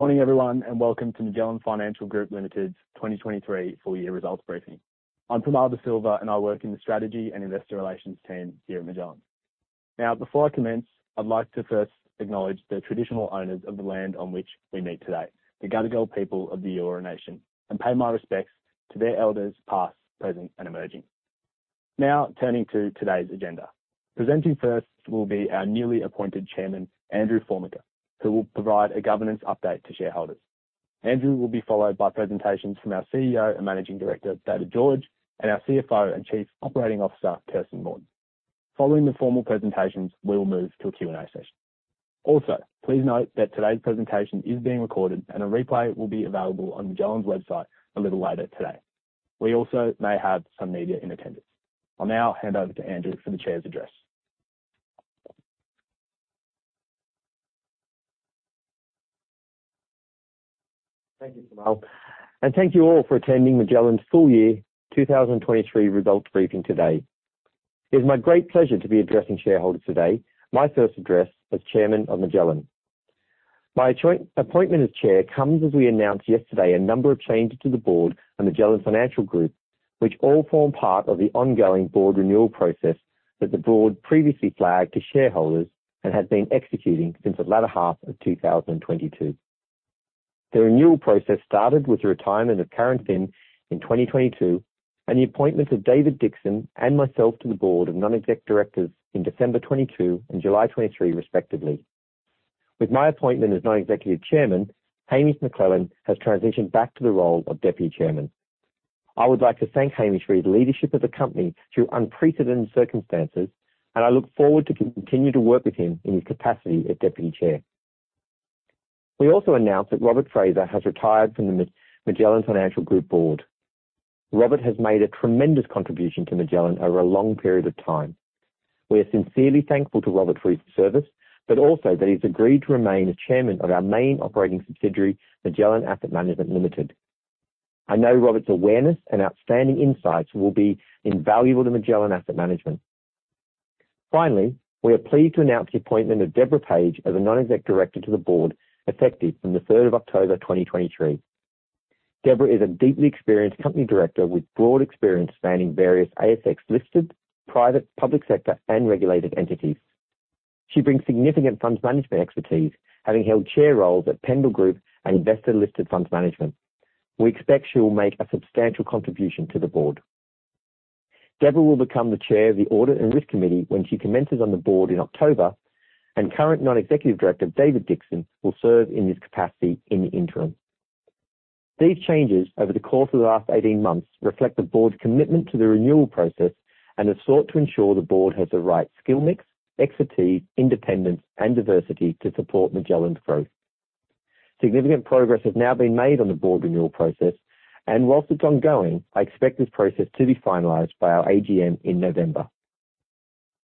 Morning, everyone, welcome to Magellan Financial Group Limited's 2023 full year results briefing. I'm Primal De Silva, and I work in the Strategy and Investor Relations team here at Magellan. Before I commence, I'd like to first acknowledge the traditional owners of the land on which we meet today, the Gadigal people of the Eora Nation, and pay my respects to their elders, past, present, and emerging. Turning to today's agenda. Presenting first will be our newly appointed Chairman, Andrew Formica, who will provide a governance update to shareholders. Andrew will be followed by presentations from our CEO and Managing Director, David George, and our CFO and Chief Operating Officer, Kirsten Morton. Following the formal presentations, we will move to a Q&A session. Please note that today's presentation is being recorded, and a replay will be available on Magellan's website a little later today. We also may have some media in attendance. I'll now hand over to Andrew for the Chair's address. Thank you, Kamal, and thank you all for attending Magellan's full year 2023 results briefing today. It's my great pleasure to be addressing shareholders today, my first address as Chairman of Magellan. My appointment as Chair comes, as we announced yesterday, a number of changes to the board and Magellan Financial Group, which all form part of the ongoing board renewal process that the board previously flagged to shareholders and has been executing since the latter half of 2022. The renewal process started with the retirement of Karen Phin in 2022, and the appointment of David Dixon and myself to the board of non-exec directors in December 2022 and July 2023, respectively. With my appointment as non-executive Chairman, Hamish McLennan has transitioned back to the role of Deputy Chairman. I would like to thank Hamish for his leadership of the company through unprecedented circumstances. I look forward to continue to work with him in his capacity as Deputy Chair. We also announced that Robert Fraser has retired from the Magellan Financial Group Board. Robert has made a tremendous contribution to Magellan over a long period of time. We are sincerely thankful to Robert for his service, also that he's agreed to remain as Chairman of our main operating subsidiary, Magellan Asset Management Limited. I know Robert's awareness and outstanding insights will be invaluable to Magellan Asset Management. Finally, we are pleased to announce the appointment of Deborah Page as a Non-Executive Director to the Board, effective from the 3rd of October 2023. Deborah is a deeply experienced company director with broad experience spanning various ASX-listed, private, public sector, and regulated entities. She brings significant funds management expertise, having held chair roles at Pendal Group and Investa Listed Funds Management. We expect she will make a substantial contribution to the board. Deborah will become the chair of the Audit and Risk Committee when she commences on the board in October, and current non-executive director, David Dixon, will serve in this capacity in the interim. These changes over the course of the last 18 months reflect the board's commitment to the renewal process and have sought to ensure the board has the right skill mix, expertise, independence, and diversity to support Magellan's growth. Significant progress has now been made on the board renewal process, and whilst it's ongoing, I expect this process to be finalized by our AGM in November.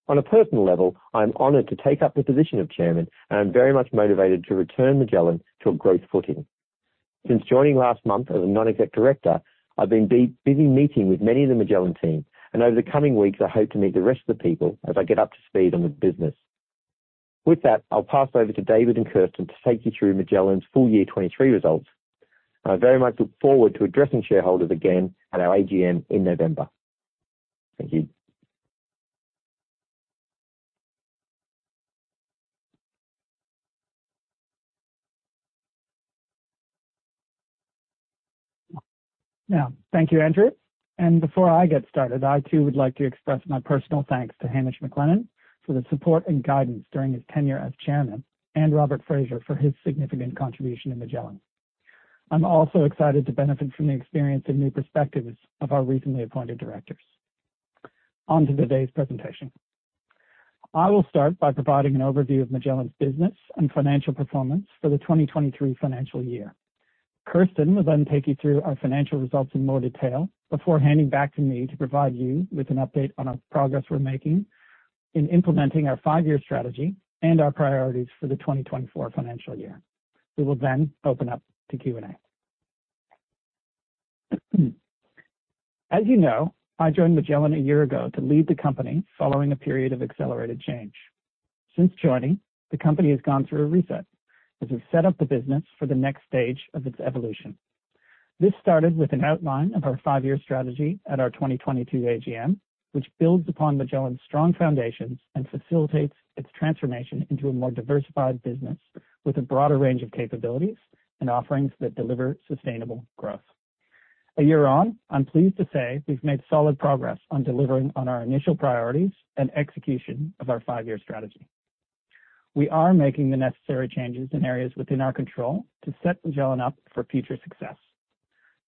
On a personal level, I'm honored to take up the position of Chairman, and I'm very much motivated to return Magellan to a growth footing. Since joining last month as a Non-Executive Director, I've been busy meeting with many of the Magellan team, and over the coming weeks, I hope to meet the rest of the people as I get up to speed on the business. With that, I'll pass over to David and Kirsten to take you through Magellan's full year 2023 results. I very much look forward to addressing shareholders again at our AGM in November. Thank you. Thank you, Andrew, and before I get started, I too would like to express my personal thanks to Hamish McLennan for the support and guidance during his tenure as chairman, and Robert Fraser for his significant contribution to Magellan. I'm also excited to benefit from the experience and new perspectives of our recently appointed directors. On to today's presentation. I will start by providing an overview of Magellan's business and financial performance for the 2023 financial year. Kirsten will take you through our financial results in more detail before handing back to me to provide you with an update on our progress we're making in implementing our five-year strategy and our priorities for the 2024 financial year. We will open up to Q&A. As you know, I joined Magellan a year ago to lead the company following a period of accelerated change. Since joining, the company has gone through a reset as we've set up the business for the next stage of its evolution. This started with an outline of our five-year strategy at our 2022 AGM, which builds upon Magellan's strong foundations and facilitates its transformation into a more diversified business, with a broader range of capabilities and offerings that deliver sustainable growth. A year on, I'm pleased to say we've made solid progress on delivering on our initial priorities and execution of our five-year strategy. We are making the necessary changes in areas within our control to set Magellan up for future success.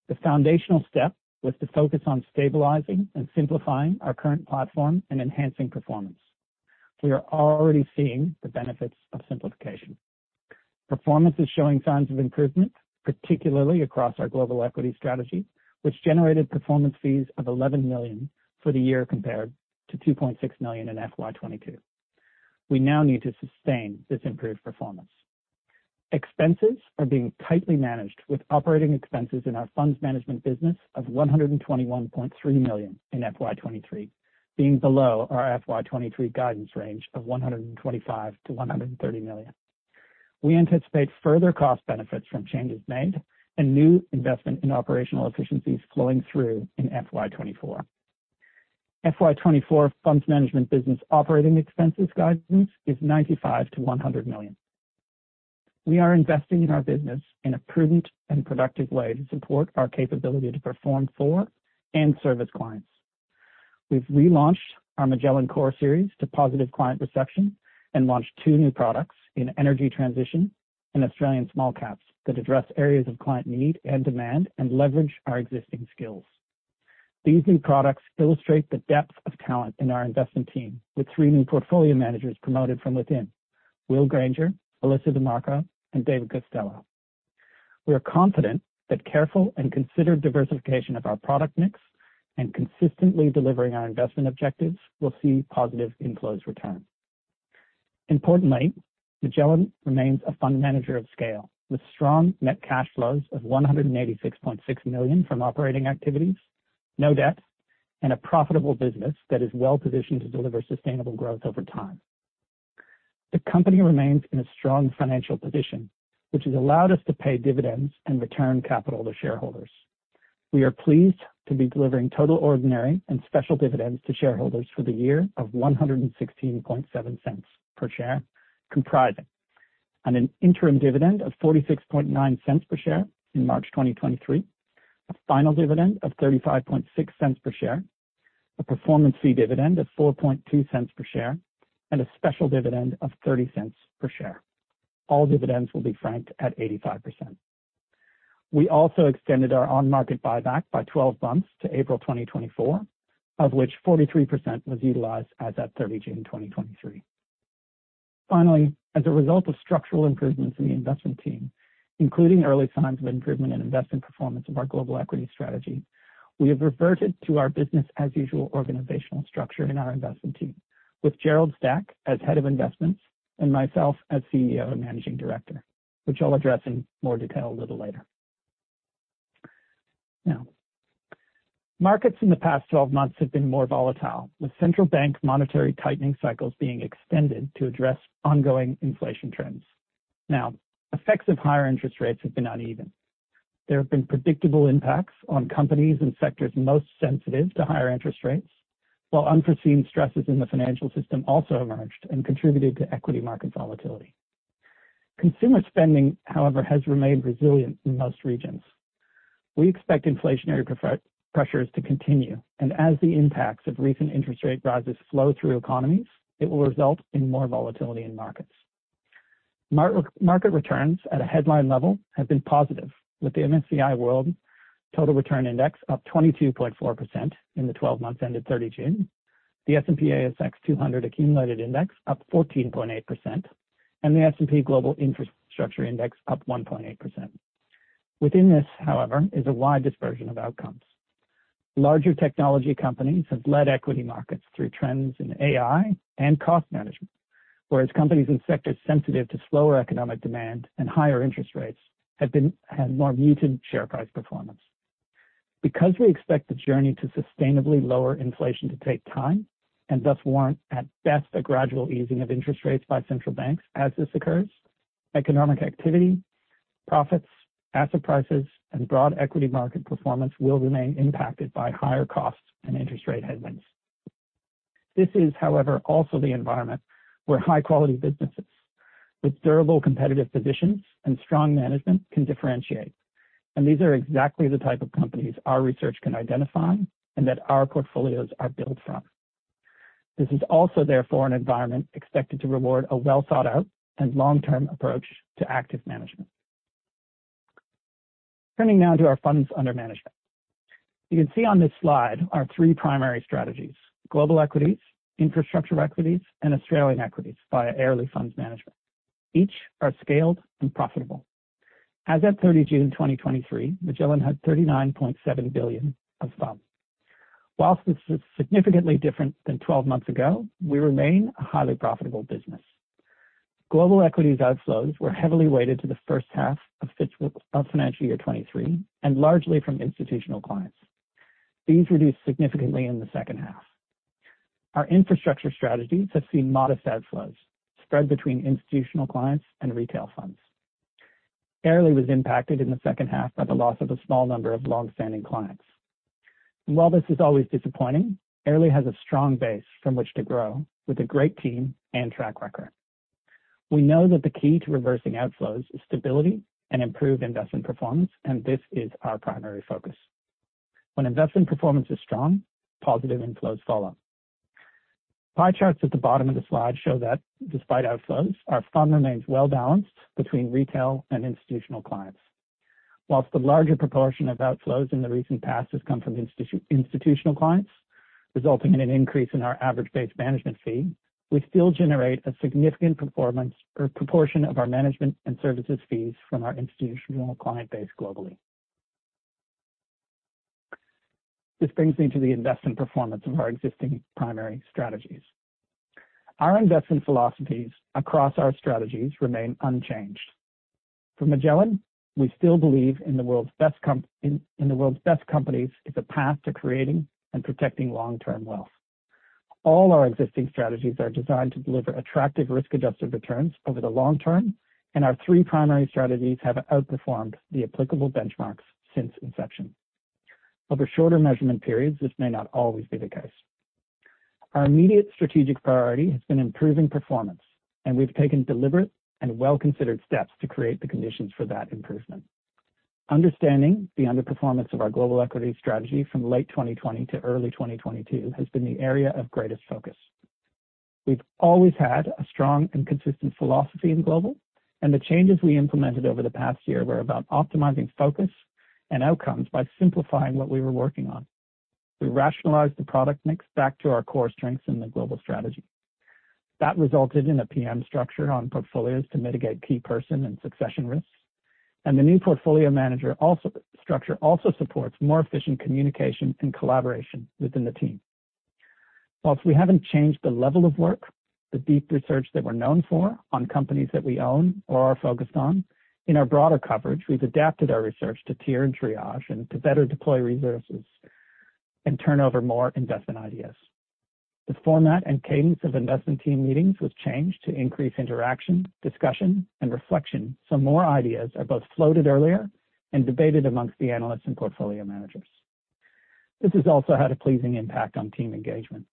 The foundational step was to focus on stabilizing and simplifying our current platform and enhancing performance. We are already seeing the benefits of simplification. Performance is showing signs of improvement, particularly across our global equity strategy, which generated performance fees of 11 million for the year, compared to 2.6 million in FY22. We now need to sustain this improved performance. Expenses are being tightly managed, with operating expenses in our funds management business of 121.3 million in FY23, being below our FY23 guidance range of 125 million-130 million. We anticipate further cost benefits from changes made and new investment in operational efficiencies flowing through in FY24. FY24 funds management business operating expenses guidance is 95 million-100 million. We are investing in our business in a prudent and productive way to support our capability to perform for and service clients. We've relaunched our Magellan Core Series to positive client reception and launched two new products in Energy Transition and Australian small caps, that address areas of client need and demand and leverage our existing skills. These new products illustrate the depth of talent in our investment team, with three new portfolio managers promoted from within: Will Granger, Elisa Di Marco, and David Costello. We are confident that careful and considered diversification of our product mix and consistently delivering our investment objectives will see positive inflows return. Importantly, Magellan remains a fund manager of scale, with strong net cash flows of 186.6 million from operating activities, no debt, and a profitable business that is well-positioned to deliver sustainable growth over time. The company remains in a strong financial position, which has allowed us to pay dividends and return capital to shareholders. We are pleased to be delivering total, ordinary, and special dividends to shareholders for the year of 1.167 per share, comprising an interim dividend of 0.469 per share in March 2023, a final dividend of 0.356 per share, a performance fee dividend of 0.042 per share, and a special dividend of 0.30 per share. All dividends will be franked at 85%. We also extended our on-market buyback by 12 months to April 2024, of which 43% was utilized as at 30 June 2023. As a result of structural improvements in the investment team, including early signs of improvement in investment performance of our global equity strategy, we have reverted to our business-as-usual organizational structure in our investment team, with Gerald Stack as Head of Investments and myself as CEO and Managing Director, which I'll address in more detail a little later. Markets in the past 12 months have been more volatile, with central bank monetary tightening cycles being extended to address ongoing inflation trends. Effects of higher interest rates have been uneven. There have been predictable impacts on companies and sectors most sensitive to higher interest rates, while unforeseen stresses in the financial system also emerged and contributed to equity market volatility. Consumer spending, however, has remained resilient in most regions. We expect inflationary pressures to continue, and as the impacts of recent interest rate rises flow through economies, it will result in more volatility in markets. Market returns at a headline level have been positive, with the MSCI World Total Return Index up 22.4% in the 12 months ended 30 June, the S&P/ASX 200 Accumulation Index up 14.8%, and the S&P Global Infrastructure Index up 1.8%. Within this, however, is a wide dispersion of outcomes. Larger technology companies have led equity markets through trends in AI and cost management, whereas companies in sectors sensitive to slower economic demand and higher interest rates had more muted share price performance. We expect the journey to sustainably lower inflation to take time and thus warrant, at best, a gradual easing of interest rates by central banks as this occurs, economic activity, profits, asset prices, and broad equity market performance will remain impacted by higher costs and interest rate headwinds. This is, however, also the environment where high-quality businesses with durable competitive positions and strong management can differentiate, and these are exactly the type of companies our research can identify and that our portfolios are built from. This is also, therefore, an environment expected to reward a well-thought-out and long-term approach to active management. Turning now to our funds under management. You can see on this slide our three primary strategies: global equities, infrastructure equities, and Australian equities via Airlie Funds Management. Each are scaled and profitable. As at June 30, 2023, Magellan had 39.7 billion of funds. Whilst this is significantly different than 12 months ago, we remain a highly profitable business. Global equities outflows were heavily weighted to the 1st half of FY23, and largely from institutional clients. These reduced significantly in the 2nd half. Our infrastructure strategies have seen modest outflows spread between institutional clients and retail funds. Airlie was impacted in the 2nd half by the loss of a small number of long-standing clients. While this is always disappointing, Airlie has a strong base from which to grow with a great team and track record. We know that the key to reversing outflows is stability and improved investment performance, and this is our primary focus. When investment performance is strong, positive inflows follow. Pie charts at the bottom of the slide show that despite outflows, our fund remains well-balanced between retail and institutional clients. Whilst the larger proportion of outflows in the recent past has come from institutional clients, resulting in an increase in our average base management fee, we still generate a significant performance or proportion of our management and services fees from our institutional client base globally. This brings me to the investment performance of our existing primary strategies. Our investment philosophies across our strategies remain unchanged. For Magellan, we still believe in the world's best companies is a path to creating and protecting long-term wealth. All our existing strategies are designed to deliver attractive risk-adjusted returns over the long term, and our three primary strategies have outperformed the applicable benchmarks since inception. Over shorter measurement periods, this may not always be the case. Our immediate strategic priority has been improving performance, and we've taken deliberate and well-considered steps to create the conditions for that improvement. Understanding the underperformance of our global equity strategy from late 2020 to early 2022 has been the area of greatest focus. We've always had a strong and consistent philosophy in global, and the changes we implemented over the past year were about optimizing focus and outcomes by simplifying what we were working on. We rationalized the product mix back to our core strengths in the global strategy. That resulted in a PM structure on portfolios to mitigate key person and succession risks, and the new portfolio manager also, structure also supports more efficient communication and collaboration within the team. Whilst we haven't changed the level of work, the deep research that we're known for on companies that we own or are focused on, in our broader coverage, we've adapted our research to tier and triage and to better deploy resources and turn over more investment ideas. The format and cadence of investment team meetings was changed to increase interaction, discussion, and reflection, so more ideas are both floated earlier and debated amongst the analysts and portfolio managers. This has also had a pleasing impact on team engagement.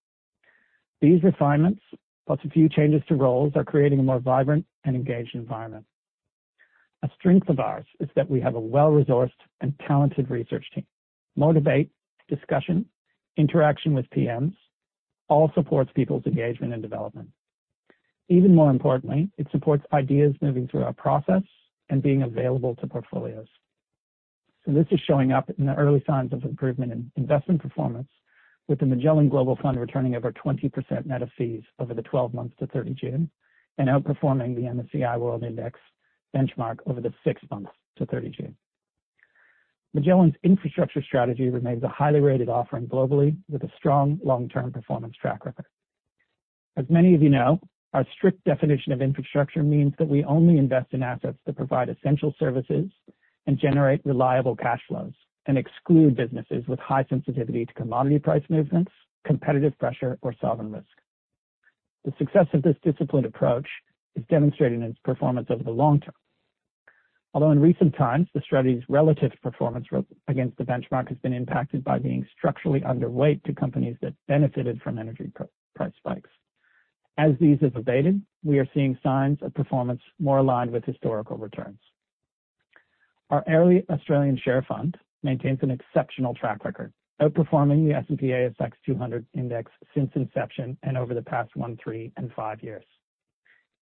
These refinements, plus a few changes to roles, are creating a more vibrant and engaged environment. A strength of ours is that we have a well-resourced and talented research team. Motivate, discussion, interaction with PMs, all supports people's engagement and development. Even more importantly, it supports ideas moving through our process and being available to portfolios. This is showing up in the early signs of improvement in investment performance, with the Magellan Global Fund returning over 20% net of fees over the 12 months to 30 June, and outperforming the MSCI World Index benchmark over the six months to 30 June. Magellan's infrastructure strategy remains a highly rated offering globally, with a strong long-term performance track record. As many of you know, our strict definition of infrastructure means that we only invest in assets that provide essential services and generate reliable cash flows, and exclude businesses with high sensitivity to commodity price movements, competitive pressure, or sovereign risk. The success of this disciplined approach is demonstrated in its performance over the long term. Although in recent times, the strategy's relative performance against the benchmark has been impacted by being structurally underweight to companies that benefited from energy price spikes. As these have abated, we are seeing signs of performance more aligned with historical returns. Our Airlie Australian Share Fund maintains an exceptional track record, outperforming the S&P/ASX 200 Index since inception and over the past one, three, and five years.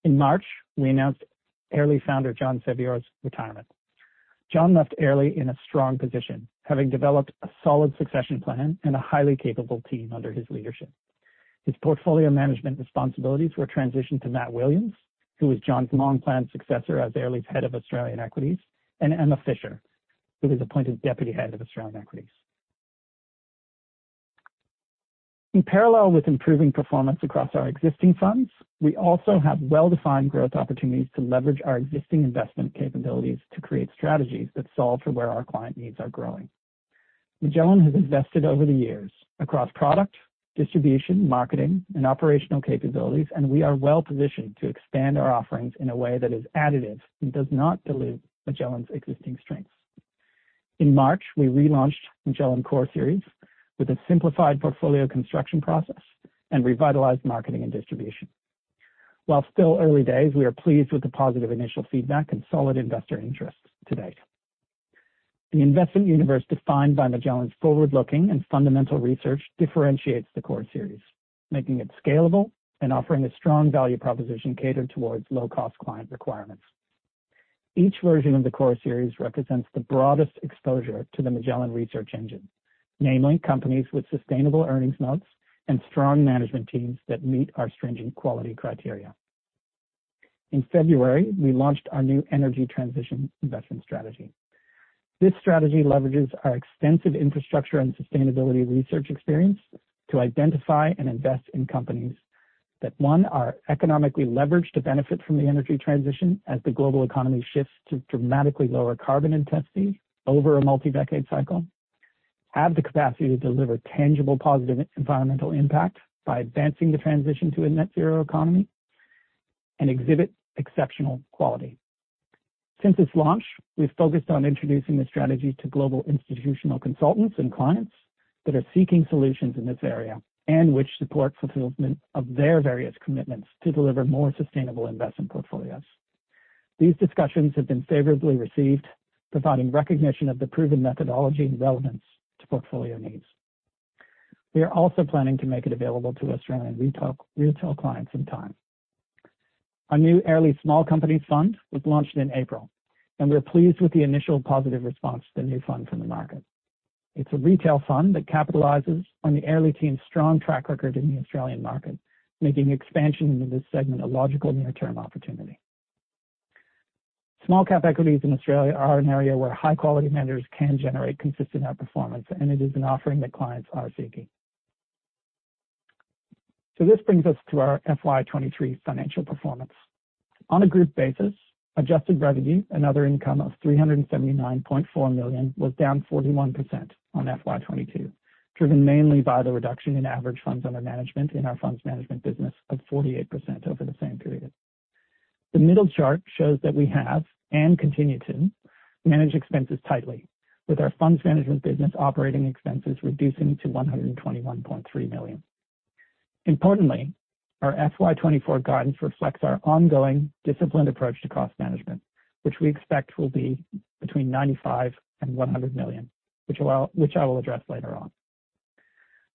In March, we announced Airlie founder John Sevior's retirement. John left Airlie in a strong position, having developed a solid succession plan and a highly capable team under his leadership. His portfolio management responsibilities were transitioned to Matt Williams, who was John's long-planned successor as Airlie's Head of Australian Equities, and Emma Fisher, who was appointed Deputy Head of Australian Equities. In parallel with improving performance across our existing funds, we also have well-defined growth opportunities to leverage our existing investment capabilities to create strategies that solve for where our client needs are growing. Magellan has invested over the years across product, distribution, marketing, and operational capabilities, and we are well-positioned to expand our offerings in a way that is additive and does not dilute Magellan's existing strengths. In March, we relaunched Magellan Core Series with a simplified portfolio construction process and revitalized marketing and distribution. While still early days, we are pleased with the positive initial feedback and solid investor interest to date. The investment universe defined by Magellan's forward-looking and fundamental research differentiates the Core Series, making it scalable and offering a strong value proposition catered towards low-cost client requirements. Each version of the Core Series represents the broadest exposure to the Magellan research engine, namely companies with sustainable earnings moats and strong management teams that meet our stringent quality criteria. In February, we launched our new Energy Transition investment strategy. This strategy leverages our extensive infrastructure and sustainability research experience to identify and invest in companies that, one, are economically leveraged to benefit from the energy transition as the global economy shifts to dramatically lower carbon intensity over a multi-decade cycle, have the capacity to deliver tangible positive environmental impact by advancing the transition to a net zero economy, and exhibit exceptional quality. Since its launch, we've focused on introducing the strategy to global institutional consultants and clients that are seeking solutions in this area, and which support fulfillment of their various commitments to deliver more sustainable investment portfolios. These discussions have been favorably received, providing recognition of the proven methodology and relevance to portfolio needs. We are also planning to make it available to Australian retail clients in time. Our new Airlie Small Companies Fund was launched in April. We're pleased with the initial positive response to the new fund from the market. It's a retail fund that capitalizes on the Airlie team's strong track record in the Australian market, making expansion into this segment a logical near-term opportunity. Small cap equities in Australia are an area where high-quality managers can generate consistent outperformance, and it is an offering that clients are seeking. This brings us to our FY23 financial performance. On a group basis, adjusted revenue and other income of 379.4 million was down 41% on FY22, driven mainly by the reduction in average funds under management in our funds management business of 48% over the same period. The middle chart shows that we have and continue to manage expenses tightly, with our funds management business operating expenses reducing to 121.3 million. Importantly, our FY24 guidance reflects our ongoing disciplined approach to cost management, which we expect will be between 95 million and 100 million, which I will address later on.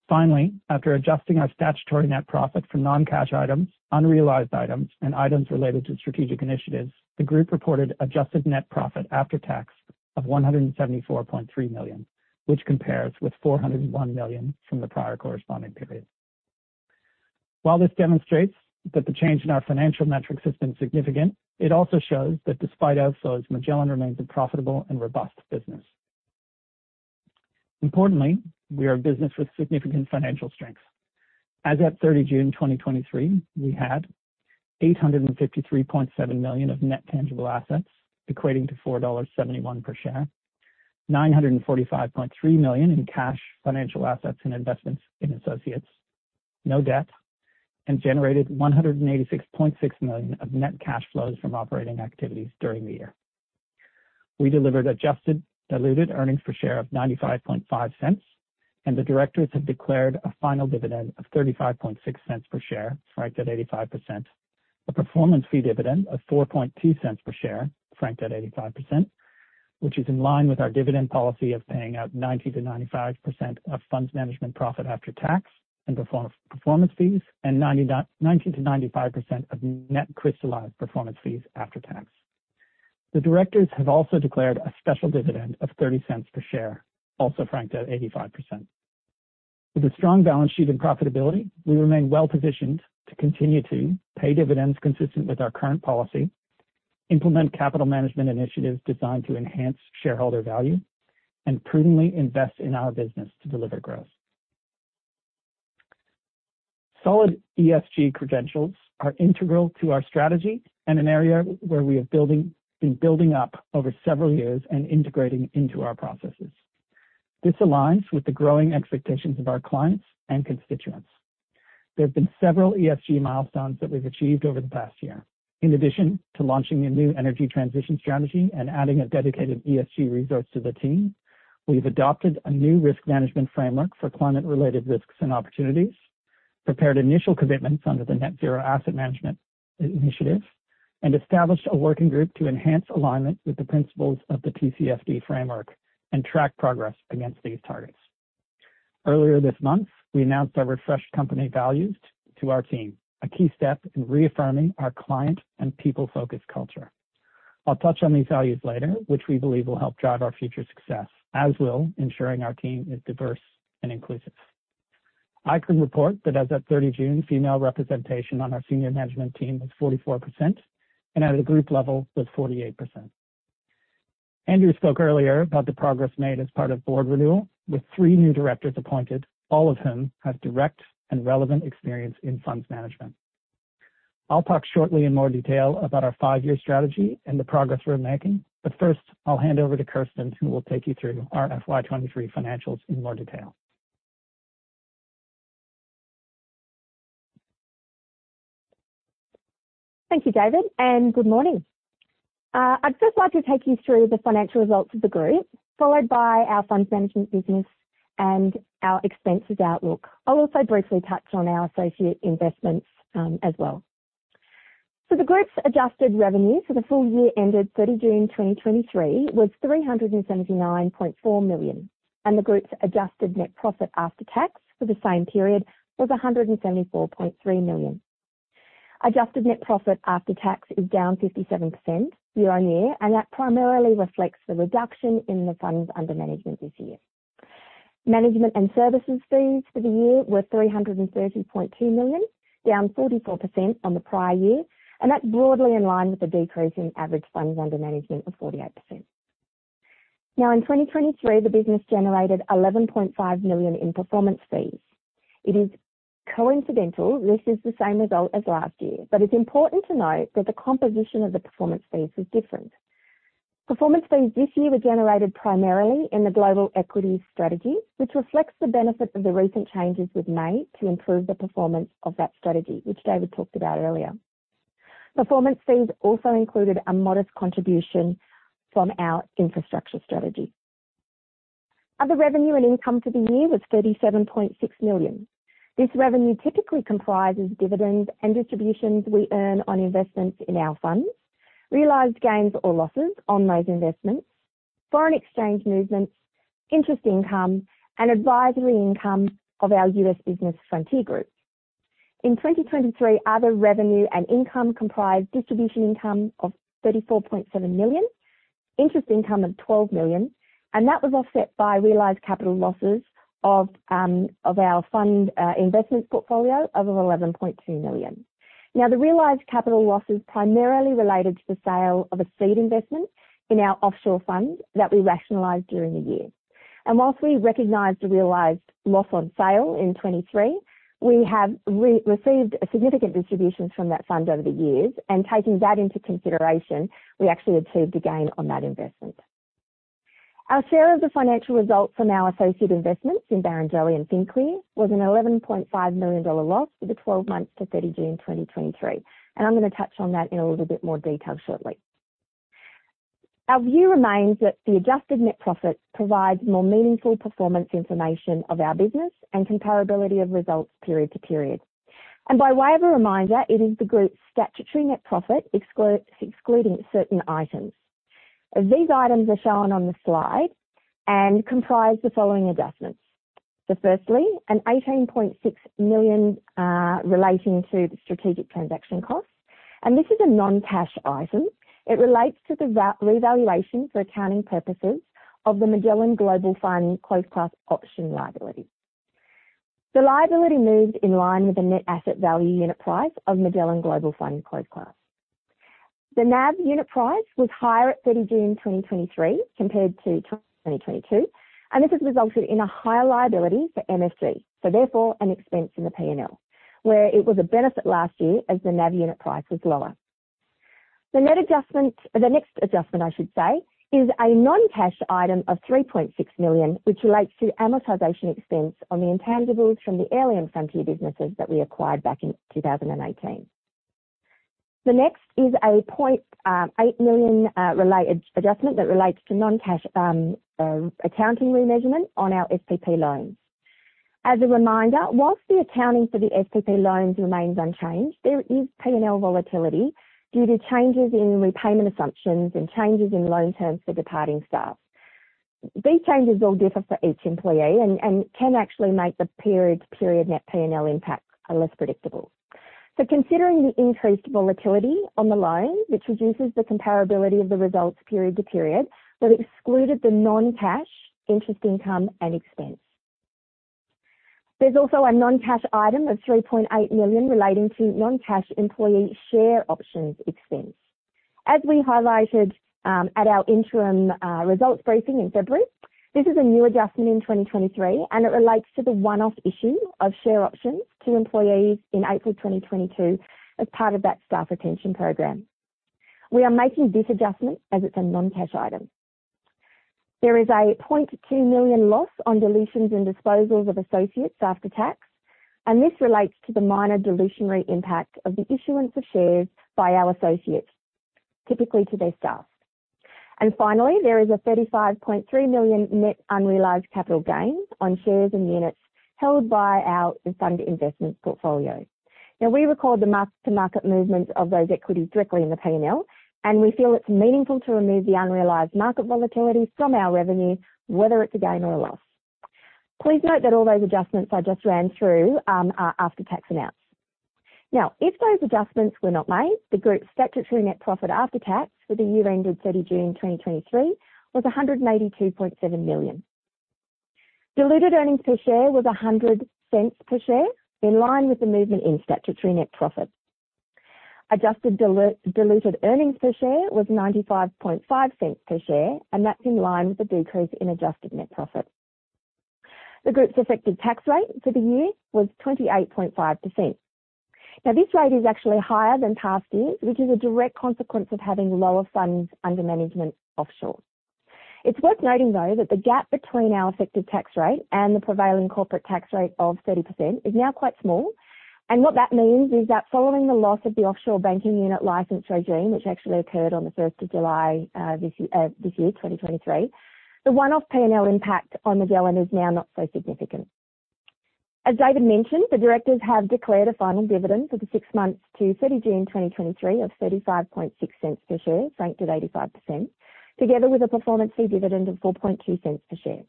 Finally, after adjusting our statutory net profit for non-cash items, unrealized items, and items related to strategic initiatives, the group reported adjusted net profit after tax of 174.3 million, which compares with 401 million from the prior corresponding period. While this demonstrates that the change in our financial metrics has been significant, it also shows that despite outflows, Magellan remains a profitable and robust business. Importantly, we are a business with significant financial strength. As at 30 June 2023, we had 853.7 million of net tangible assets, equating to 4.71 dollars per share, 945.3 million in cash, financial assets and investments in associates, no debt, and generated 186.6 million of net cash flows from operating activities during the year. We delivered adjusted diluted earnings per share of 0.955. The directors have declared a final dividend of 0.356 per share, franked at 85%. A performance fee dividend of 0.042 per share, franked at 85%, which is in line with our dividend policy of paying out 90%-95% of funds management profit after tax and performance fees and 90%-95% of net crystallized performance fees after tax. The directors have also declared a special dividend of 0.30 per share, also franked at 85%. With a strong balance sheet and profitability, we remain well positioned to continue to pay dividends consistent with our current policy, implement capital management initiatives designed to enhance shareholder value, and prudently invest in our business to deliver growth. Solid ESG credentials are integral to our strategy and an area where we have been building up over several years and integrating into our processes. This aligns with the growing expectations of our clients and constituents. There have been several ESG milestones that we've achieved over the past year. In addition to launching a new Energy Transition strategy and adding a dedicated ESG resource to the team, we've adopted a new risk management framework for climate-related risks and opportunities, prepared initial commitments under the Net Zero Asset Managers initiative, and established a working group to enhance alignment with the principles of the TCFD framework and track progress against these targets. Earlier this month, we announced our refreshed company values to our team, a key step in reaffirming our client and people-focused culture. I'll touch on these values later, which we believe will help drive our future success, as will ensuring our team is diverse and inclusive. I can report that as at 30 June, female representation on our senior management team was 44% and at a group level was 48%. Andrew spoke earlier about the progress made as part of board renewal, with three new directors appointed, all of whom have direct and relevant experience in funds management. I'll talk shortly in more detail about our five-year strategy and the progress we're making, but first, I'll hand over to Kirsten, who will take you through our FY23 financials in more detail. Thank you, David. Good morning. I'd just like to take you through the financial results of the group, followed by our funds management business and our expenses outlook. I'll also briefly touch on our associate investments as well. The group's adjusted revenue for the full year ended June 30, 2023, was 379.4 million, and the group's adjusted net profit after tax for the same period was 174.3 million. Adjusted net profit after tax is down 57% year-over-year, and that primarily reflects the reduction in the funds under management this year. Management and services fees for the year were 330.2 million, down 44% on the prior year, and that's broadly in line with the decrease in average funds under management of 48%. Now, in 2023, the business generated 11.5 million in performance fees. It is coincidental this is the same result as last year, but it's important to note that the composition of the performance fees was different. Performance fees this year were generated primarily in the global equity strategy, which reflects the benefit of the recent changes we've made to improve the performance of that strategy, which David talked about earlier. Performance fees also included a modest contribution from our infrastructure strategy. Other revenue and income for the year was 37.6 million. This revenue typically comprises dividends and distributions we earn on investments in our funds, realized gains or losses on those investments, foreign exchange movements, interest income, and advisory income of our US business Frontier Partners. In 2023, other revenue and income comprised distribution income of 34.7 million, interest income of 12 million. That was offset by realized capital losses of our fund investment portfolio of 11.2 million. Now, the realized capital losses primarily related to the sale of a seed investment in our offshore fund that we rationalized during the year. Whilst we recognized the realized loss on sale in 2023, we have received significant distributions from that fund over the years, and taking that into consideration, we actually achieved a gain on that investment. Our share of the financial results from our associate investments in Barrenjoey and FinClear was an 11.5 million dollar loss for the 12 months to 30 June 2023. I'm going to touch on that in a little bit more detail shortly. Our view remains that the adjusted net profit provides more meaningful performance information of our business and comparability of results period to period. By way of a reminder, it is the group's statutory net profit excluding certain items. These items are shown on the slide and comprise the following adjustments. Firstly, an 18.6 million relating to the strategic transaction costs, and this is a non-cash item. It relates to the revaluation for accounting purposes of the Magellan Global Fund Closed Class option liability. The liability moved in line with the net asset value unit price of Magellan Global Fund Closed Class. The NAV unit price was higher at 30 June 2023 compared to 2022, and this has resulted in a higher liability for MFG, so therefore a expense in the PNL, where it was a benefit last year as the NAV unit price was lower. The net adjustment... the next adjustment, I should say, is a non-cash item of 3.6 million, which relates to amortization expense on the intangibles from the Airlie and Frontier businesses that we acquired back in 2018. The next is a 0.8 million related adjustment that relates to non-cash accounting remeasurement on our SPP loans. As a reminder, whilst the accounting for the SPP loans remains unchanged, there is PNL volatility due to changes in repayment assumptions and changes in loan terms for departing staff. These changes will differ for each employee and can actually make the period net PNL impacts less predictable. Considering the increased volatility on the loan, which reduces the comparability of the results period to period, we've excluded the non-cash interest, income and expense. There's also a non-cash item of 3.8 million relating to non-cash employee share options expense. As we highlighted at our interim results briefing in February, this is a new adjustment in 2023, and it relates to the one-off issue of share options to employees in April 2022 as part of that staff retention program. We are making this adjustment as it's a non-cash item. There is an 0.2 million loss on dilutions and disposals of associates after tax. This relates to the minor dilutory impact of the issuance of shares by our associates, typically to their staff. Finally, there is an 35.3 million net unrealized capital gain on shares and units held by our fund investment portfolio. We record the mark to market movements of those equities directly in the PNL. We feel it's meaningful to remove the unrealized market volatility from our revenue, whether it's a gain or a loss. Please note that all those adjustments I just ran through are after-tax amounts. If those adjustments were not made, the group's statutory net profit after tax for the year ended 30 June 2023 was 182.7 million. Diluted earnings per share was 1.00 per share, in line with the movement in statutory net profit. Adjusted diluted earnings per share was 0.955 per share, that's in line with the decrease in adjusted net profit. The group's effective tax rate for the year was 28.5%. This rate is actually higher than past years, which is a direct consequence of having lower funds under management offshore. It's worth noting, though, that the gap between our effective tax rate and the prevailing corporate tax rate of 30% is now quite small. What that means is that following the loss of the Offshore Banking Unit regime, which actually occurred on the 1st of July, this year, 2023, the one-off PNL impact on Magellan is now not so significant. As David mentioned, the directors have declared a final dividend for the six months to June 30, 2023, of 0.356 per share, franked at 85%, together with a performance fee dividend of 0.042 per share.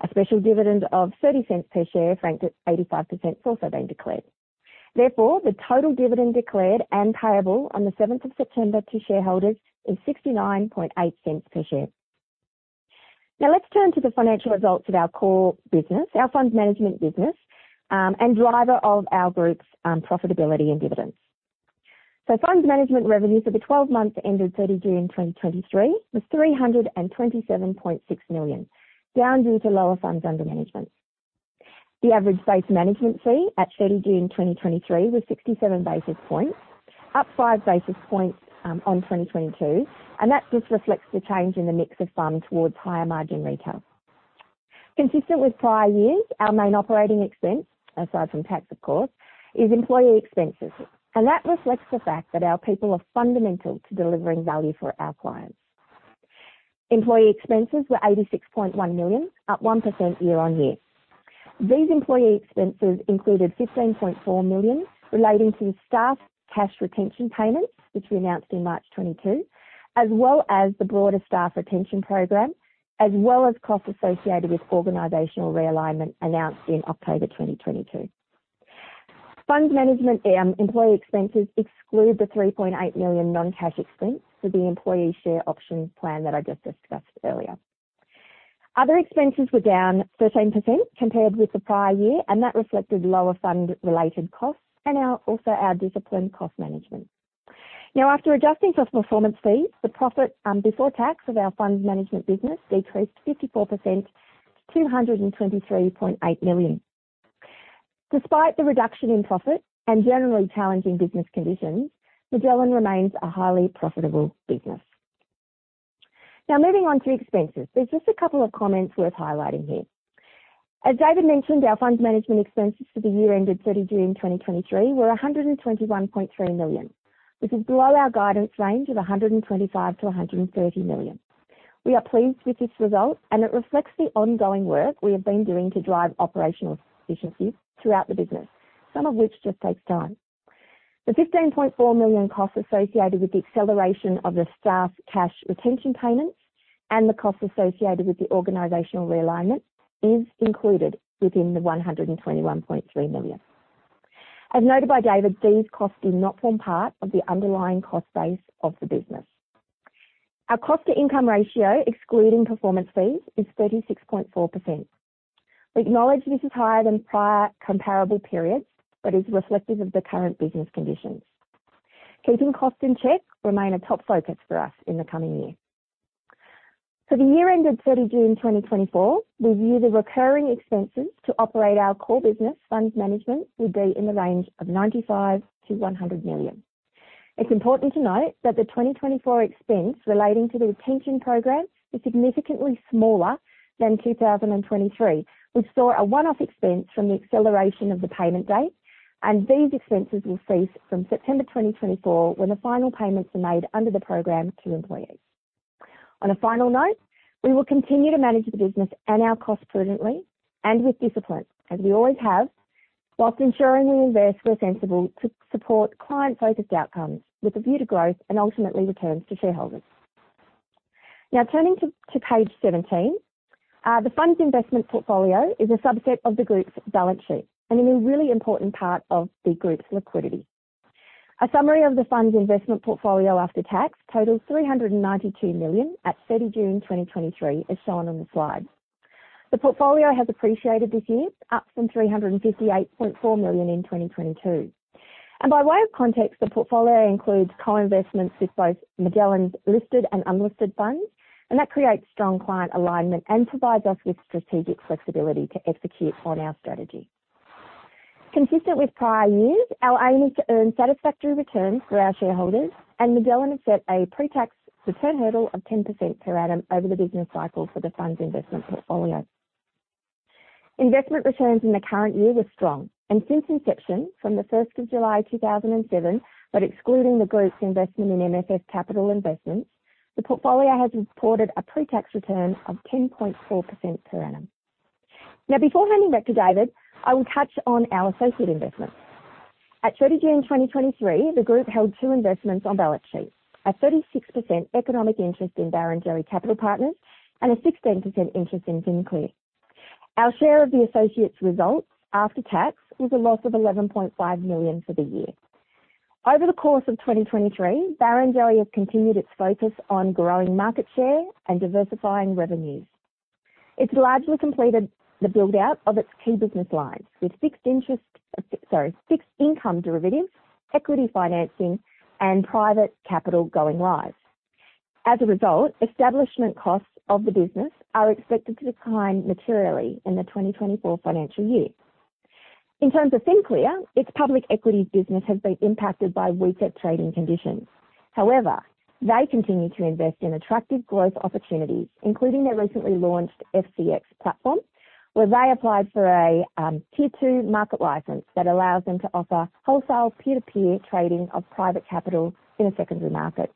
A special dividend of 0.30 per share, franked at 85%, has also been declared. The total dividend declared and payable on September 7 to shareholders is 0.698 per share. Let's turn to the financial results of our core business, our funds management business, and driver of our group's profitability and dividends. Funds management revenues for the 12 months ended June 30, 2023, was 327.6 million, down due to lower funds under management. The average base management fee at thirty June 2023 was 67 basis points, up 5 basis points on 2022, and that just reflects the change in the mix of funds towards higher margin retail. Consistent with prior years, our main operating expense, aside from tax of course, is employee expenses, and that reflects the fact that our people are fundamental to delivering value for our clients. Employee expenses were 86.1 million, up 1% year-on-year. These employee expenses included 15.4 million relating to staff cash retention payments, which we announced in March 2022, as well as the broader staff retention program, as well as costs associated with organizational realignment announced in October 2022. Fund management employee expenses exclude the 3.8 million non-cash expense for the employee share option plan that I just discussed earlier. Other expenses were down 13% compared with the prior year. That reflected lower fund-related costs and our disciplined cost management. After adjusting for performance fees, the profit before tax of our funds management business decreased 54% to 223.8 million. Despite the reduction in profit and generally challenging business conditions, Magellan remains a highly profitable business. Moving on to expenses. There's just a couple of comments worth highlighting here. As David mentioned, our funds management expenses for the year ended 30 June 2023 were 121.3 million, which is below our guidance range of 125 million-130 million. We are pleased with this result. It reflects the ongoing work we have been doing to drive operational efficiencies throughout the business, some of which just takes time. The 15.4 million costs associated with the acceleration of the staff cash retention payments and the costs associated with the organizational realignment is included within the 121.3 million. As noted by David, these costs do not form part of the underlying cost base of the business. Our cost to income ratio, excluding performance fees, is 36.4%. We acknowledge this is higher than prior comparable periods, but is reflective of the current business conditions. Keeping costs in check remain a top focus for us in the coming year. For the year ended 30 June 2024, we view the recurring expenses to operate our core business, funds management, will be in the range of 95 million-100 million. It's important to note that the 2024 expense relating to the retention program is significantly smaller than 2023, which saw a one-off expense from the acceleration of the payment date. These expenses will cease from September 2024, when the final payments are made under the program to employees. On a final note, we will continue to manage the business and our costs prudently and with discipline, as we always have, whilst ensuring we invest where sensible to support client-focused outcomes with a view to growth and ultimately returns to shareholders. Turning to page 17. The fund's investment portfolio is a subset of the group's balance sheet and is a really important part of the group's liquidity. A summary of the fund's investment portfolio after tax totals 392 million at 30 June 2023, as shown on the slide. The portfolio has appreciated this year, up from 358.4 million in 2022. By way of context, the portfolio includes co-investments with both Magellan's listed and unlisted funds, and that creates strong client alignment and provides us with strategic flexibility to execute on our strategy. Consistent with prior years, our aim is to earn satisfactory returns for our shareholders, and Magellan has set a pre-tax return hurdle of 10% per annum over the business cycle for the fund's investment portfolio. Investment returns in the current year were strong, and since inception from July 1, 2007, but excluding the group's investment in Magellan Capital Partners, the portfolio has reported a pre-tax return of 10.4% per annum. Now, before handing back to David, I will touch on our associate investments. At 30 June 2023, the group held two investments on balance sheet: a 36% economic interest in Barrenjoey Capital Partners and a 16% interest in FinClear. Our share of the associates results after tax was a loss of 11.5 million for the year. Over the course of 2023, Barrenjoey has continued its focus on growing market share and diversifying revenues. It's largely completed the build-out of its key business lines with fixed interest... Sorry, fixed income derivatives, equity financing, and private capital going live. As a result, establishment costs of the business are expected to decline materially in the 2024 financial year. In terms of FinClear, its public equities business has been impacted by weaker trading conditions. However, they continue to invest in attractive growth opportunities, including their recently launched FCX platform, where they applied for a, tier 2 market license that allows them to offer wholesale peer-to-peer trading of private capital in a secondary market.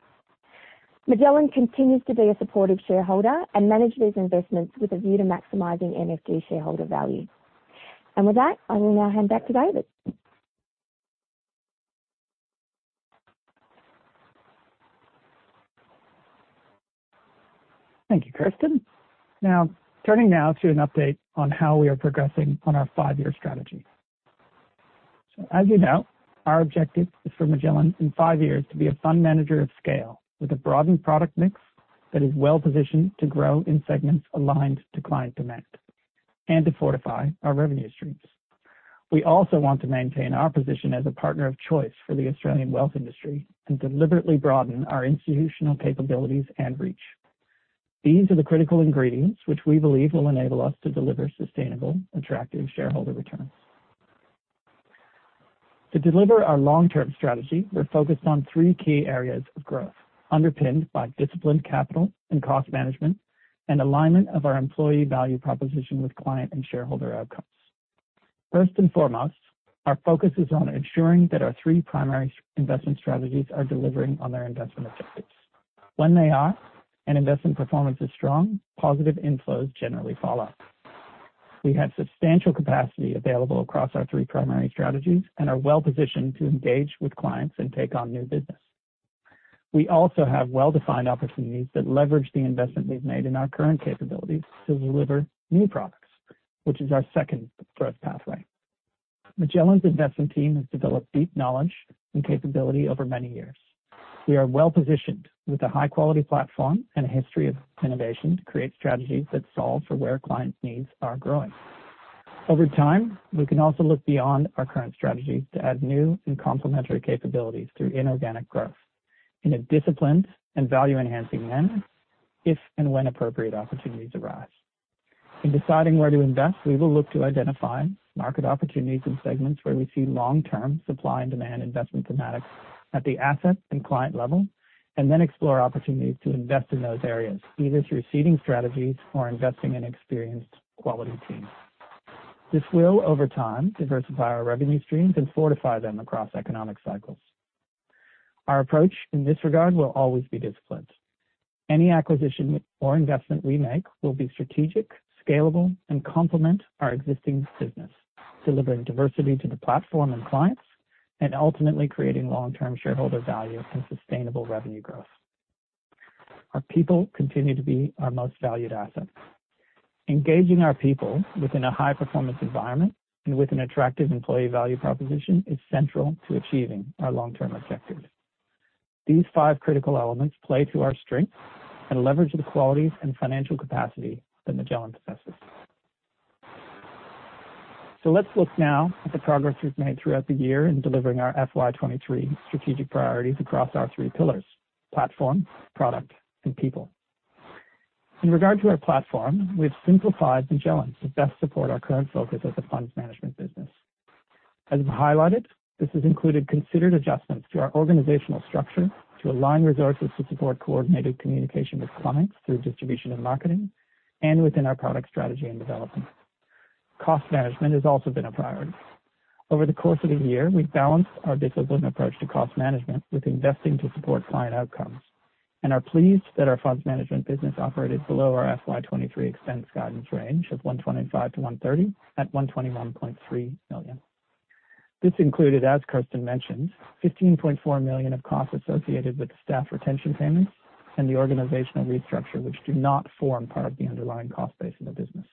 Magellan continues to be a supportive shareholder and manage these investments with a view to maximizing MFG shareholder value. With that, I will now hand back to David. Thank you, Kirsten. Now, turning now to an update on how we are progressing on our five-year strategy. As you know, our objective is for Magellan in five years to be a fund manager of scale, with a broadened product mix that is well positioned to grow in segments aligned to client demand and to fortify our revenue streams. We also want to maintain our position as a partner of choice for the Australian wealth industry and deliberately broaden our institutional capabilities and reach. These are the critical ingredients which we believe will enable us to deliver sustainable, attractive shareholder returns. To deliver our long-term strategy, we're focused on three key areas of growth, underpinned by disciplined capital and cost management and alignment of our employee value proposition with client and shareholder outcomes. First and foremost, our focus is on ensuring that our three primary investment strategies are delivering on their investment objectives. When they are, and investment performance is strong, positive inflows generally follow. We have substantial capacity available across our three primary strategies and are well positioned to engage with clients and take on new business. We also have well-defined opportunities that leverage the investment we've made in our current capabilities to deliver new products, which is our second growth pathway. Magellan's investment team has developed deep knowledge and capability over many years. We are well positioned with a high-quality platform and a history of innovation to create strategies that solve for where clients' needs are growing.... Over time, we can also look beyond our current strategy to add new and complementary capabilities through inorganic growth in a disciplined and value-enhancing manner, if and when appropriate opportunities arise. In deciding where to invest, we will look to identify market opportunities in segments where we see long-term supply and demand investment thematics at the asset and client level, and then explore opportunities to invest in those areas, either through seeding strategies or investing in experienced quality teams. This will, over time, diversify our revenue streams and fortify them across economic cycles. Our approach in this regard will always be disciplined. Any acquisition or investment we make will be strategic, scalable, and complement our existing business, delivering diversity to the platform and clients, and ultimately creating long-term shareholder value and sustainable revenue growth. Our people continue to be our most valued asset. Engaging our people within a high-performance environment and with an attractive employee value proposition is central to achieving our long-term objectives. These five critical elements play to our strengths and leverage the qualities and financial capacity that Magellan possesses. Let's look now at the progress we've made throughout the year in delivering our FY23 strategic priorities across our three pillars: platform, product, and people. In regard to our platform, we've simplified Magellan to best support our current focus as a funds management business. As we've highlighted, this has included considered adjustments to our organizational structure to align resources to support coordinated communication with clients through distribution and marketing, and within our product strategy and development. Cost management has also been a priority. Over the course of the year, we've balanced our disciplined approach to cost management with investing to support client outcomes. Are pleased that our funds management business operated below our FY23 expense guidance range of 125 million-130 million at 121.3 million. This included, as Kirsten mentioned, 15.4 million of costs associated with staff retention payments and the organizational restructure, which do not form part of the underlying cost base in the business.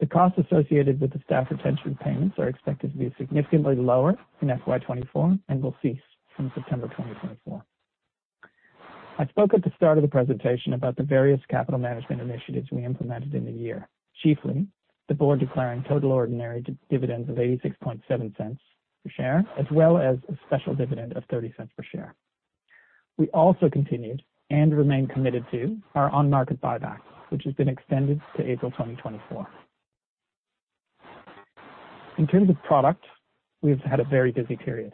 The costs associated with the staff retention payments are expected to be significantly lower in FY24 and will cease from September 2024. I spoke at the start of the presentation about the various capital management initiatives we implemented in the year, chiefly, the board declaring total ordinary dividends of 0.867 per share, as well as a special dividend of 0.30 per share. We also continued, and remain committed to, our on-market buyback, which has been extended to April 2024. In terms of product, we've had a very busy period.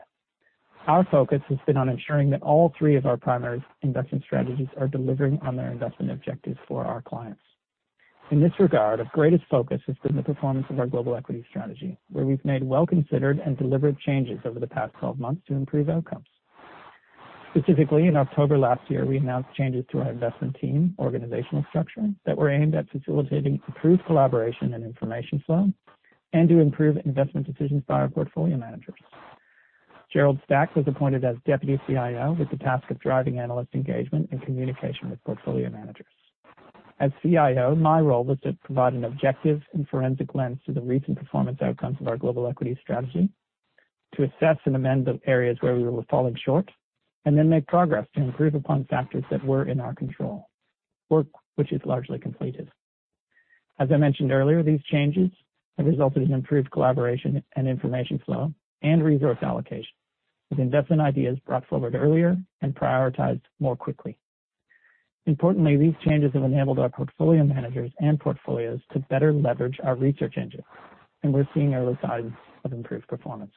Our focus has been on ensuring that all three of our primary investment strategies are delivering on their investment objectives for our clients. In this regard, our greatest focus has been the performance of our global equity strategy, where we've made well-considered and deliberate changes over the past 12 months to improve outcomes. Specifically, in October last year, we announced changes to our investment team organizational structure that were aimed at facilitating improved collaboration and information flow, and to improve investment decisions by our portfolio managers. Gerald Stack was appointed as Deputy CIO, with the task of driving analyst engagement and communication with portfolio managers. As CIO, my role was to provide an objective and forensic lens to the recent performance outcomes of our global equity strategy, to assess and amend the areas where we were falling short, and then make progress to improve upon factors that were in our control, work which is largely completed. As I mentioned earlier, these changes have resulted in improved collaboration and information flow and resource allocation, with investment ideas brought forward earlier and prioritized more quickly. Importantly, these changes have enabled our portfolio managers and portfolios to better leverage our research engine, and we're seeing early signs of improved performance.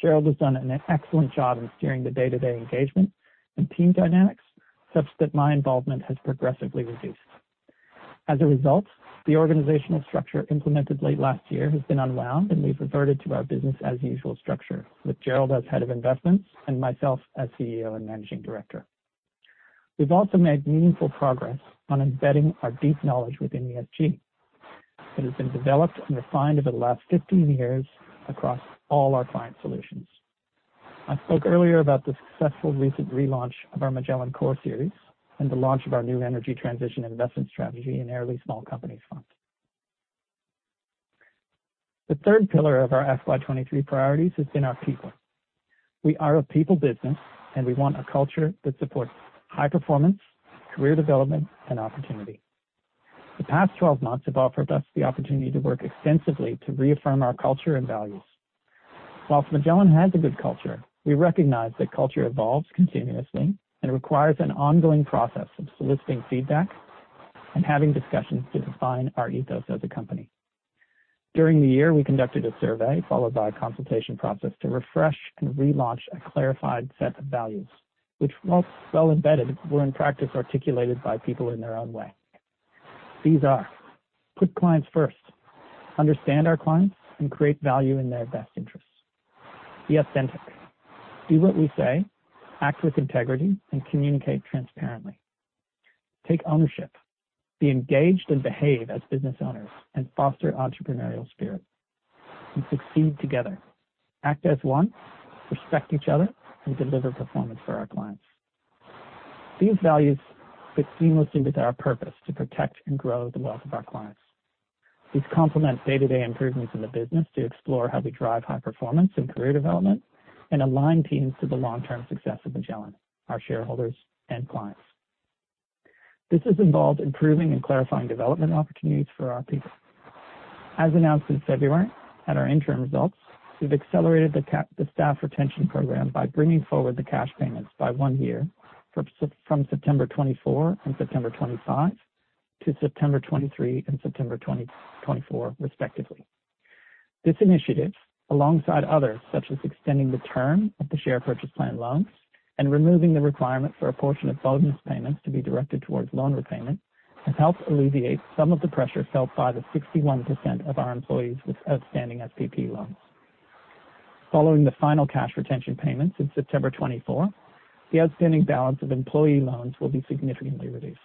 Gerald has done an excellent job in steering the day-to-day engagement and team dynamics, such that my involvement has progressively reduced. As a result, the organizational structure implemented late last year has been unwound, and we've reverted to our business as usual structure, with Gerald as Head of Investments and myself as CEO and Managing Director. We've also made meaningful progress on embedding our deep knowledge within ESG. It has been developed and refined over the last 15 years across all our client solutions. I spoke earlier about the successful recent relaunch of our Magellan Core Series and the launch of our new Energy Transition investment strategy in our Airlie Small Companies Fund. The third pillar of our FY23 priorities has been our people. We are a people business, and we want a culture that supports high performance, career development and opportunity. The past 12 months have offered us the opportunity to work extensively to reaffirm our culture and values. While Magellan has a good culture, we recognize that culture evolves continuously and requires an ongoing process of soliciting feedback and having discussions to define our ethos as a company. During the year, we conducted a survey followed by a consultation process to refresh and relaunch a clarified set of values, which, while well embedded, were in practice articulated by people in their own way. These are: Put clients first. Understand our clients and create value in their best interests. Be authentic. Do what we say, act with integrity, and communicate transparently. Take ownership. Be engaged and behave as business owners, and foster entrepreneurial spirit. Succeed together. Act as one, respect each other, and deliver performance for our clients. These values fit seamlessly with our purpose to protect and grow the wealth of our clients. These complement day-to-day improvements in the business to explore how we drive high performance and career development and align teams to the long-term success of Magellan, our shareholders and clients. This has involved improving and clarifying development opportunities for our people. As announced in February at our interim results, we've accelerated the staff retention program by bringing forward the cash payments by one year, from September 2024 and September 2025 to September 2023 and September 2024, respectively. This initiative, alongside others, such as extending the term of the share purchase plan loans and removing the requirement for a portion of bonus payments to be directed towards loan repayment, has helped alleviate some of the pressure felt by the 61% of our employees with outstanding SPP loans. Following the final cash retention payments in September 2024, the outstanding balance of employee loans will be significantly reduced.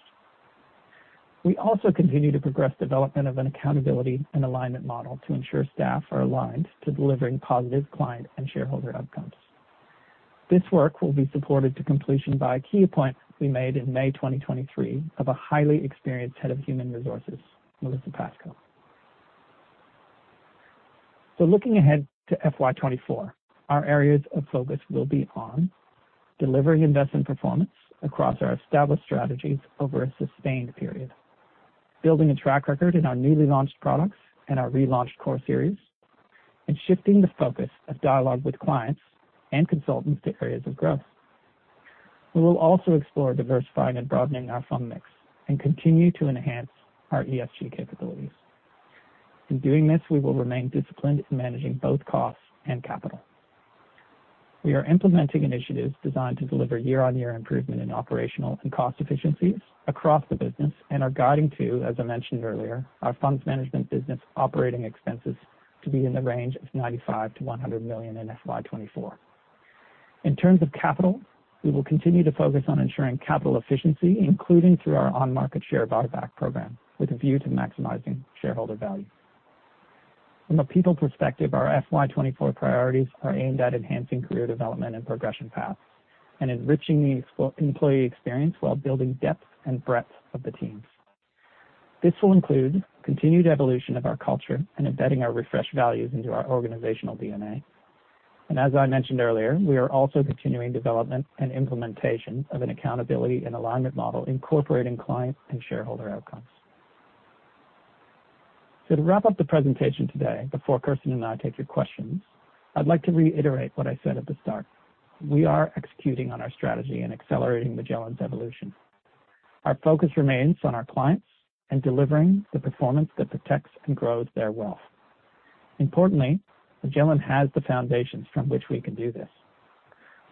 We also continue to progress development of an accountability and alignment model to ensure staff are aligned to delivering positive client and shareholder outcomes. This work will be supported to completion by a key appointment we made in May 2023, of a highly experienced Head of Human Resources, Melissa Pascoe. Looking ahead to FY24, our areas of focus will be on delivering investment performance across our established strategies over a sustained period, building a track record in our newly launched products and our relaunched Core Series, and shifting the focus of dialogue with clients and consultants to areas of growth. We will also explore diversifying and broadening our fund mix and continue to enhance our ESG capabilities. In doing this, we will remain disciplined in managing both costs and capital. We are implementing initiatives designed to deliver year-on-year improvement in operational and cost efficiencies across the business and are guiding to, as I mentioned earlier, our funds management business operating expenses to be in the range of 95 million-100 million in FY24. In terms of capital, we will continue to focus on ensuring capital efficiency, including through our on-market share buyback program, with a view to maximizing shareholder value. From a people perspective, our FY24 priorities are aimed at enhancing career development and progression paths and enriching the employee experience while building depth and breadth of the teams. This will include continued evolution of our culture and embedding our refreshed values into our organizational DNA. As I mentioned earlier, we are also continuing development and implementation of an accountability and alignment model, incorporating client and shareholder outcomes. To wrap up the presentation today, before Kirsten and I take your questions, I'd like to reiterate what I said at the start. We are executing on our strategy and accelerating Magellan's evolution. Our focus remains on our clients and delivering the performance that protects and grows their wealth. Importantly, Magellan has the foundations from which we can do this.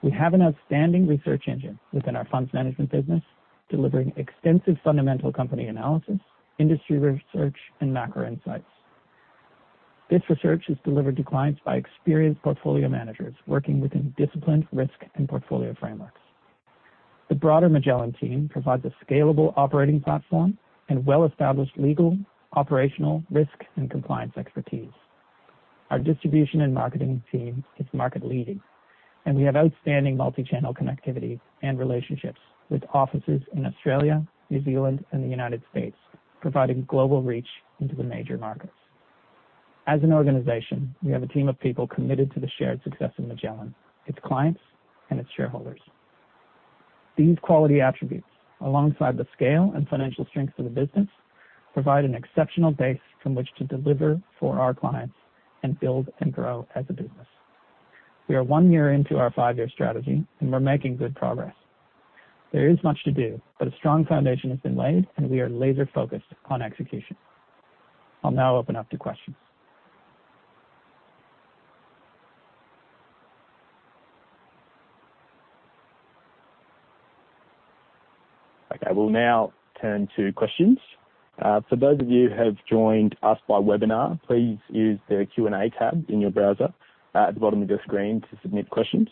We have an outstanding research engine within our funds management business, delivering extensive fundamental company analysis, industry research, and macro insights. This research is delivered to clients by experienced portfolio managers working within disciplined risk and portfolio frameworks. The broader Magellan team provides a scalable operating platform and well-established legal, operational, risk, and compliance expertise. Our distribution and marketing team is market-leading, and we have outstanding multi-channel connectivity and relationships with offices in Australia, New Zealand, and the United States, providing global reach into the major markets. As an organization, we have a team of people committed to the shared success of Magellan, its clients, and its shareholders. These quality attributes, alongside the scale and financial strength of the business, provide an exceptional base from which to deliver for our clients and build and grow as a business. We are one year into our five-year strategy, and we're making good progress. There is much to do, but a strong foundation has been laid, and we are laser-focused on execution. I'll now open up to questions. Okay, we'll now turn to questions. For those of you who have joined us by webinar, please use the Q&A tab in your browser at the bottom of your screen to submit questions.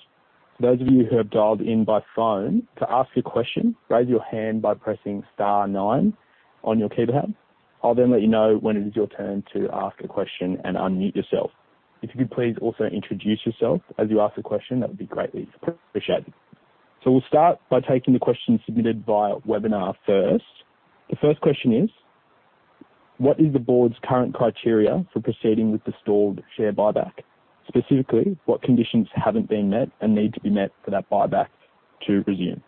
For those of you who have dialed in by phone, to ask a question, raise your hand by pressing star nine on your keypad. I'll then let you know when it is your turn to ask a question and unmute yourself. If you could please also introduce yourself as you ask the question, that would be greatly appreciated. We'll start by taking the questions submitted via webinar first. The first question is: What is the board's current criteria for proceeding with the stalled share buyback? Specifically, what conditions haven't been met and need to be met for that buyback to resume?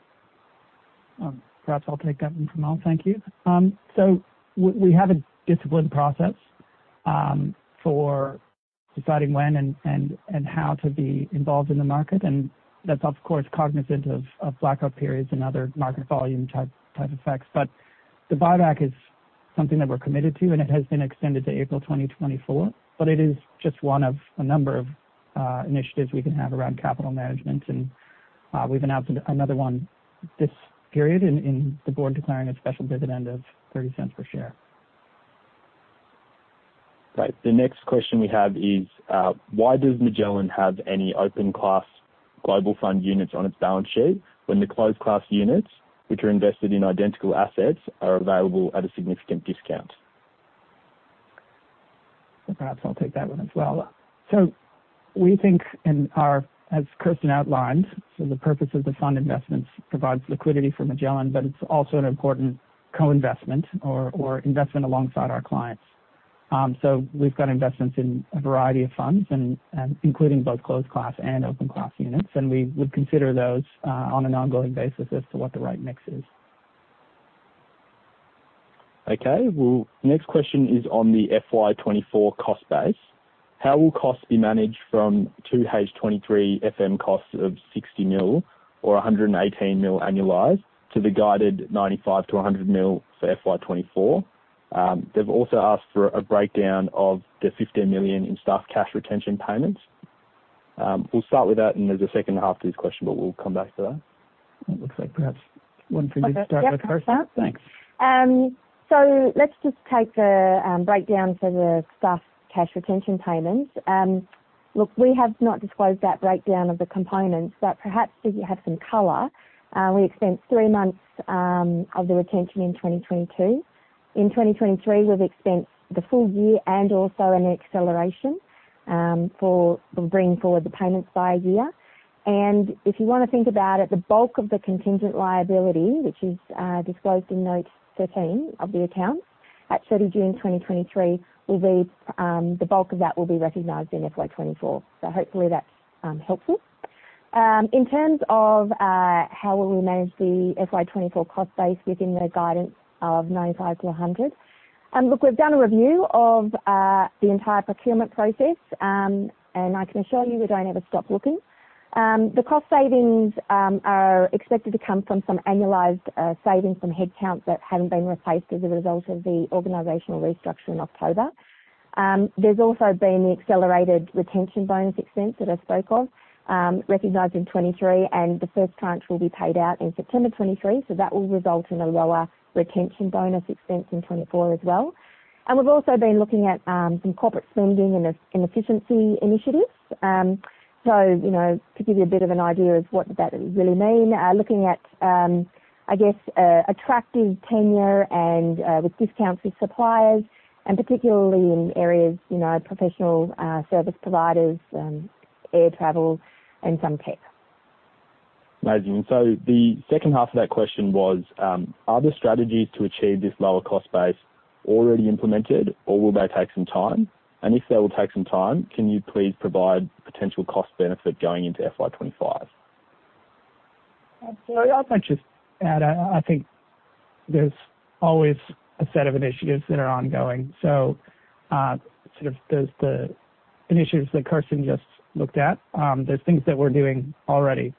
Perhaps I'll take that one from all. Thank you. We, we have a disciplined process for deciding when and, and, and how to be involved in the market, and that's of course, cognizant of, of blackout periods and other market volume type, type effects. The buyback is something that we're committed to, and it has been extended to April 2024, but it is just one of a number of initiatives we can have around capital management. We've announced another one this period in, in the board declaring a special dividend of 0.30 per share. Right. The next question we have is: Why does Magellan have any open-class global fund units on its balance sheet when the closed-class units, which are invested in identical assets, are available at a significant discount? Perhaps I'll take that one as well. As Kirsten outlined, so the purpose of the fund investments provides liquidity for Magellan, but it's also an important co-investment or investment alongside our clients. We've got investments in a variety of funds and including both closed class and open class units, and we would consider those on an ongoing basis as to what the right mix is. Okay, well, next question is on the FY24 cost base. How will costs be managed from 2H23 FM costs of $60 million or $118 million annualized to the guided $95 million-$100 million for FY24? They've also asked for a breakdown of the $15 million in staff cash retention payments. We'll start with that, and there's a second half to this question, but we'll come back to that. It looks like perhaps one thing to start with Kirsten. Yeah. Thanks. Let's just take the breakdown for the staff cash retention payments. Look, we have not disclosed that breakdown of the components, but perhaps if you have some color, we expensed 3 months of the retention in 2022. In 2023, we've expensed the full year and also an acceleration for bringing forward the payments by a year. If you want to think about it, the bulk of the contingent liability, which is disclosed in Note 13 of the accounts at 30 June 2023, will be, the bulk of that will be recognized in FY24. Hopefully that's helpful. In terms of how will we manage the FY24 cost base within the guidance of 95 million-100 million? Look, we've done a review of the entire procurement process, and I can assure you we don't ever stop looking. The cost savings are expected to come from some annualized savings from headcounts that hadn't been replaced as a result of the organizational restructure in October. There's also been the accelerated retention bonus expense that I spoke of, recognized in 2023, and the first tranche will be paid out in September 2023, so that will result in a lower retention bonus expense in 2024 as well. We've also been looking at some corporate spending and efficiency initiatives. You know, to give you a bit of an idea of what that would really mean, looking at, I guess, attractive tenure and, with discounts with suppliers, and particularly in areas, you know, professional, service providers, air travel and some tech. Amazing. The second half of that question was, are the strategies to achieve this lower cost base already implemented, or will they take some time? If they will take some time, can you please provide potential cost benefit going into FY25? I might just add, I, I think there's always a set of initiatives that are ongoing. Sort of there's the initiatives that Kirsten just looked at. There's things that we're doing already.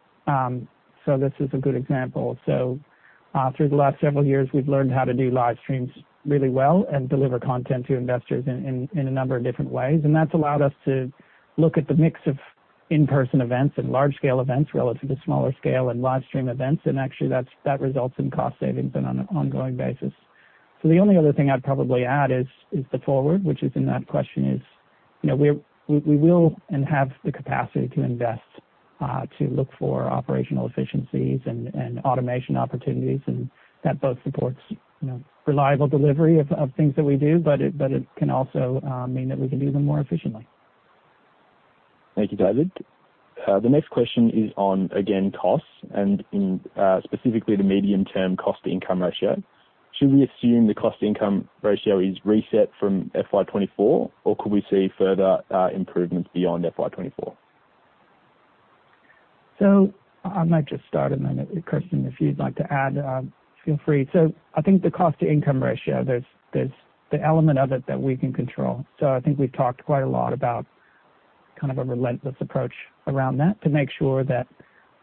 This is a good example. Through the last several years, we've learned how to do live streams really well and deliver content to investors in, in, in a number of different ways. That's allowed us to look at the mix of in-person events and large-scale events relative to smaller scale and live stream events. Actually, that's-that results in cost savings and on an ongoing basis. The only other thing I'd probably add is, is the forward, which is in that question, is, you know, we, we will and have the capacity to invest to look for operational efficiencies and, and automation opportunities, and that both supports, you know, reliable delivery of, of things that we do, but it, but it can also mean that we can do them more efficiently. Thank you, David. The next question is on, again, costs and in, specifically the medium-term cost-to-income ratio. Should we assume the cost-to-income ratio is reset from FY24, or could we see further improvements beyond FY24? I might just start, and then, Kirsten, if you'd like to add, feel free. I think the cost to income ratio, there's, there's the element of it that we can control. I think we've talked quite a lot about kind of a relentless approach around that to make sure that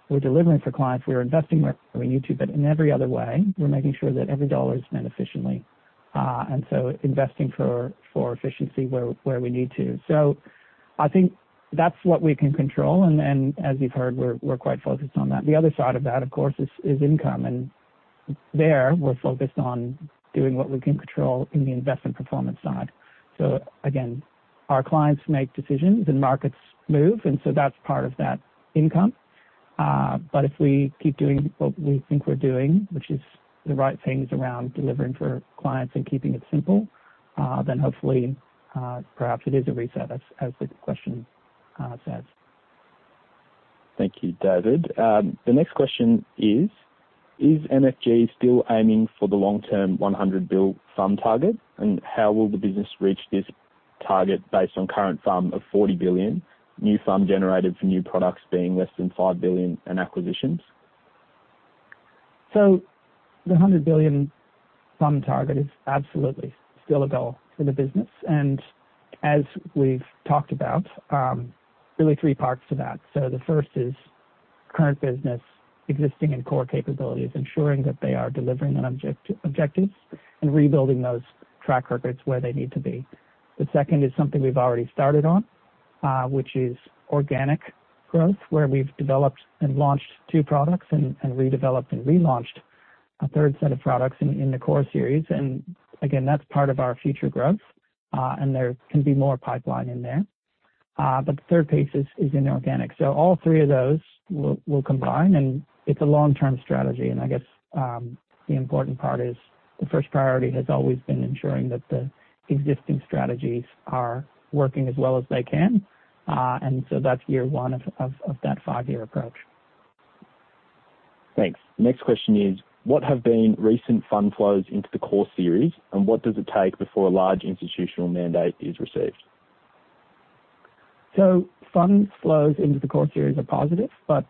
we're delivering for clients, we are investing where we need to, but in every other way, we're making sure that every dollar is spent efficiently. Investing for, for efficiency where, where we need to. I think that's what we can control, and then, as we've heard, we're, we're quite focused on that. The other side of that, of course, is, is income, and there we're focused on doing what we can control in the investment performance side. Again, our clients make decisions and markets move, and so that's part of that income. If we keep doing what we think we're doing, which is the right things around delivering for clients and keeping it simple, then hopefully, perhaps it is a reset, as, as the question, says. Thank you, David. The next question is: Is MFG still aiming for the long-term 100 billion FUM target? How will the business reach this target based on current FUM of 40 billion, new FUM generated for new products being less than 5 billion in acquisitions? The 100 billion FUM target is absolutely still a goal for the business, and as we've talked about, really 3 parts to that. The first is current business existing in core capabilities, ensuring that they are delivering on objectives and rebuilding those track records where they need to be. The second is something we've already started on, which is organic growth, where we've developed and launched 2 products and redeveloped and relaunched a third set of products in, in the Core Series. Again, that's part of our future growth, and there can be more pipeline in there. The third piece is inorganic. All 3 of those will, will combine, and it's a long-term strategy. I guess, the important part is the first priority has always been ensuring that the existing strategies are working as well as they can. That's year 1 of, of, of that 5-year approach. Thanks. Next question is: What have been recent fund flows into the Core Series, and what does it take before a large institutional mandate is received? Fund flows into the Core Series are positive, but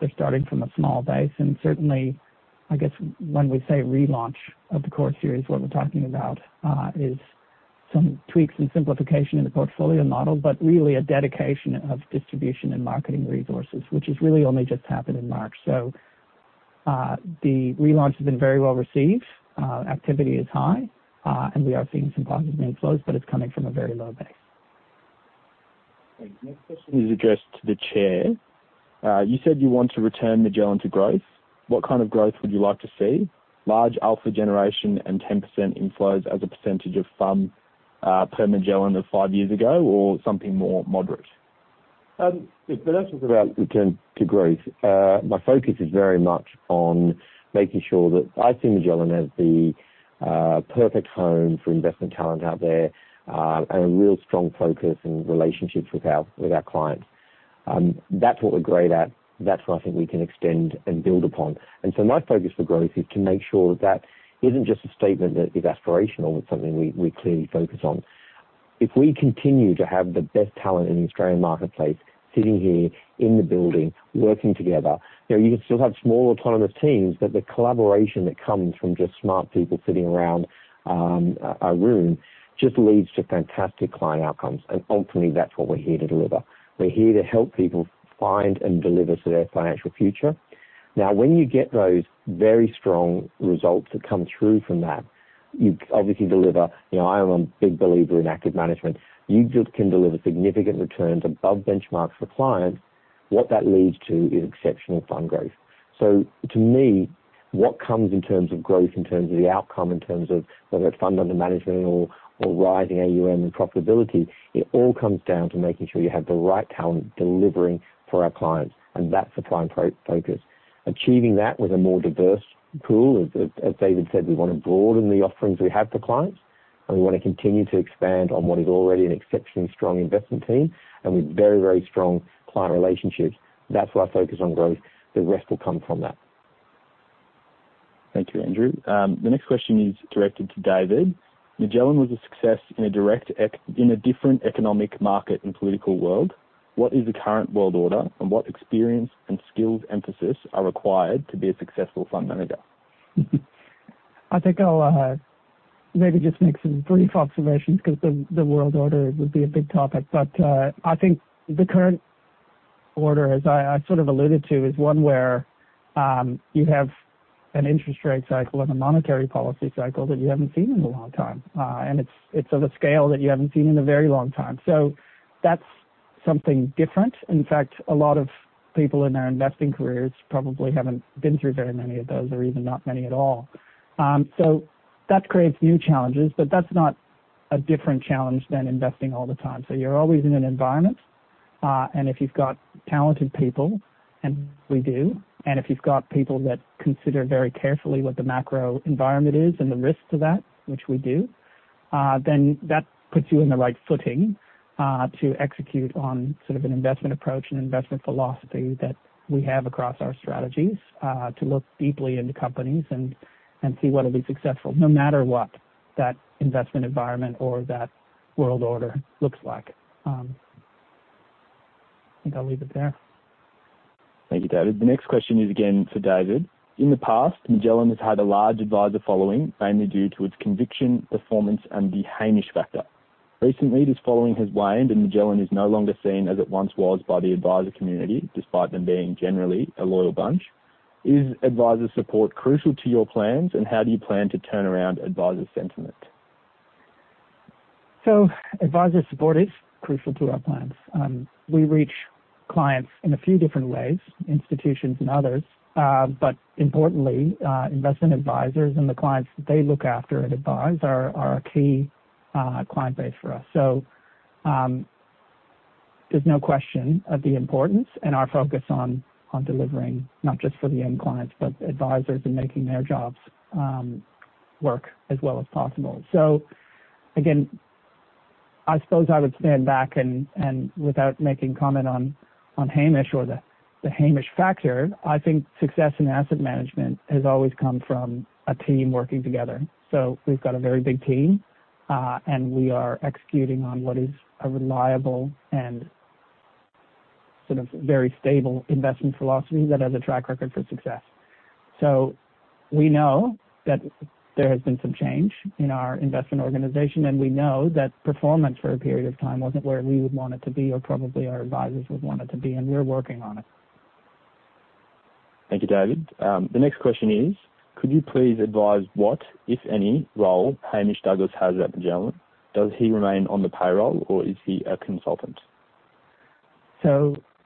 they're starting from a small base. Certainly, I guess when we say relaunch of the Core Series, what we're talking about is some tweaks and simplification in the portfolio model, but really a dedication of distribution and marketing resources, which has really only just happened in March. The relaunch has been very well received. Activity is high, and we are seeing some positive inflows, but it's coming from a very low base. Thanks. Next question is addressed to the Chair. You said you want to return Magellan to growth. What kind of growth would you like to see? Large alpha generation and 10% inflows as a percentage of funds, per Magellan of five years ago, or something more moderate? Look, when I talk about return to growth, my focus is very much on making sure that I see Magellan as the perfect home for investment talent out there, and a real strong focus and relationships with our, with our clients. That's what we're great at. That's what I think we can extend and build upon. My focus for growth is to make sure that isn't just a statement that is aspirational, it's something we, we clearly focus on. If we continue to have the best talent in the Australian marketplace, sitting here in the building, working together, you know, you can still have small, autonomous teams, but the collaboration that comes from just smart people sitting around a room, just leads to fantastic client outcomes. Ultimately, that's what we're here to deliver. We're here to help people find and deliver to their financial future. When you get those very strong results that come through from that, you obviously deliver. You know, I am a big believer in active management. You just can deliver significant returns above benchmarks for clients. What that leads to is exceptional fund growth. To me, what comes in terms of growth, in terms of the outcome, in terms of whether it's fund under management or, or rising AUM and profitability, it all comes down to making sure you have the right talent delivering for our clients, and that's the prime focus. Achieving that with a more diverse pool, as, as David said, we want to broaden the offerings we have for clients, and we want to continue to expand on what is already an exceptionally strong investment team and with very, very strong client relationships. That's why I focus on growth. The rest will come from that. Thank you, Andrew. The next question is directed to David. Magellan was a success in a direct in a different economic market and political world. What is the current world order, and what experience and skills emphasis are required to be a successful fund manager? I think I'll maybe just make some brief observations because the, the world order would be a big topic, but I think the current order, as I, I sort of alluded to, is one where you have an interest rate cycle and a monetary policy cycle that you haven't seen in a long time. And it's, it's of a scale that you haven't seen in a very long time. That's something different. In fact, a lot of people in their investing careers probably haven't been through very many of those, or even not many at all. That creates new challenges, but that's not a different challenge than investing all the time. You're always in an environment, and if you've got talented people, and we do, and if you've got people that consider very carefully what the macro environment is and the risks to that, which we do, then that puts you in the right footing, to execute on sort of an investment approach and investment philosophy that we have across our strategies, to look deeply into companies and, and see what will be successful, no matter what that investment environment or that world order looks like. I think I'll leave it there. Thank you, David. The next question is again for David. In the past, Magellan has had a large advisor following, mainly due to its conviction, performance, and the Hamish factor. Recently, this following has waned, and Magellan is no longer seen as it once was by the advisor community, despite them being generally a loyal bunch. Is advisor support crucial to your plans, and how do you plan to turn around advisor sentiment? Advisor support is crucial to our plans. We reach clients in a few different ways, institutions and others, but importantly, investment advisors and the clients that they look after and advise are, are a key client base for us. There's no question of the importance and our focus on, on delivering not just for the end clients, but the advisors in making their jobs work as well as possible. Again, I suppose I would stand back and, and without making comment on, on Hamish or the Hamish factor, I think success in asset management has always come from a team working together. We've got a very big team, and we are executing on what is a reliable and sort of very stable investment philosophy that has a track record for success. We know that there has been some change in our investment organization, and we know that performance for a period of time wasn't where we would want it to be or probably our advisors would want it to be, and we're working on it. Thank you, David. The next question is: Could you please advise what, if any, role Hamish Douglass has at Magellan? Does he remain on the payroll or is he a consultant?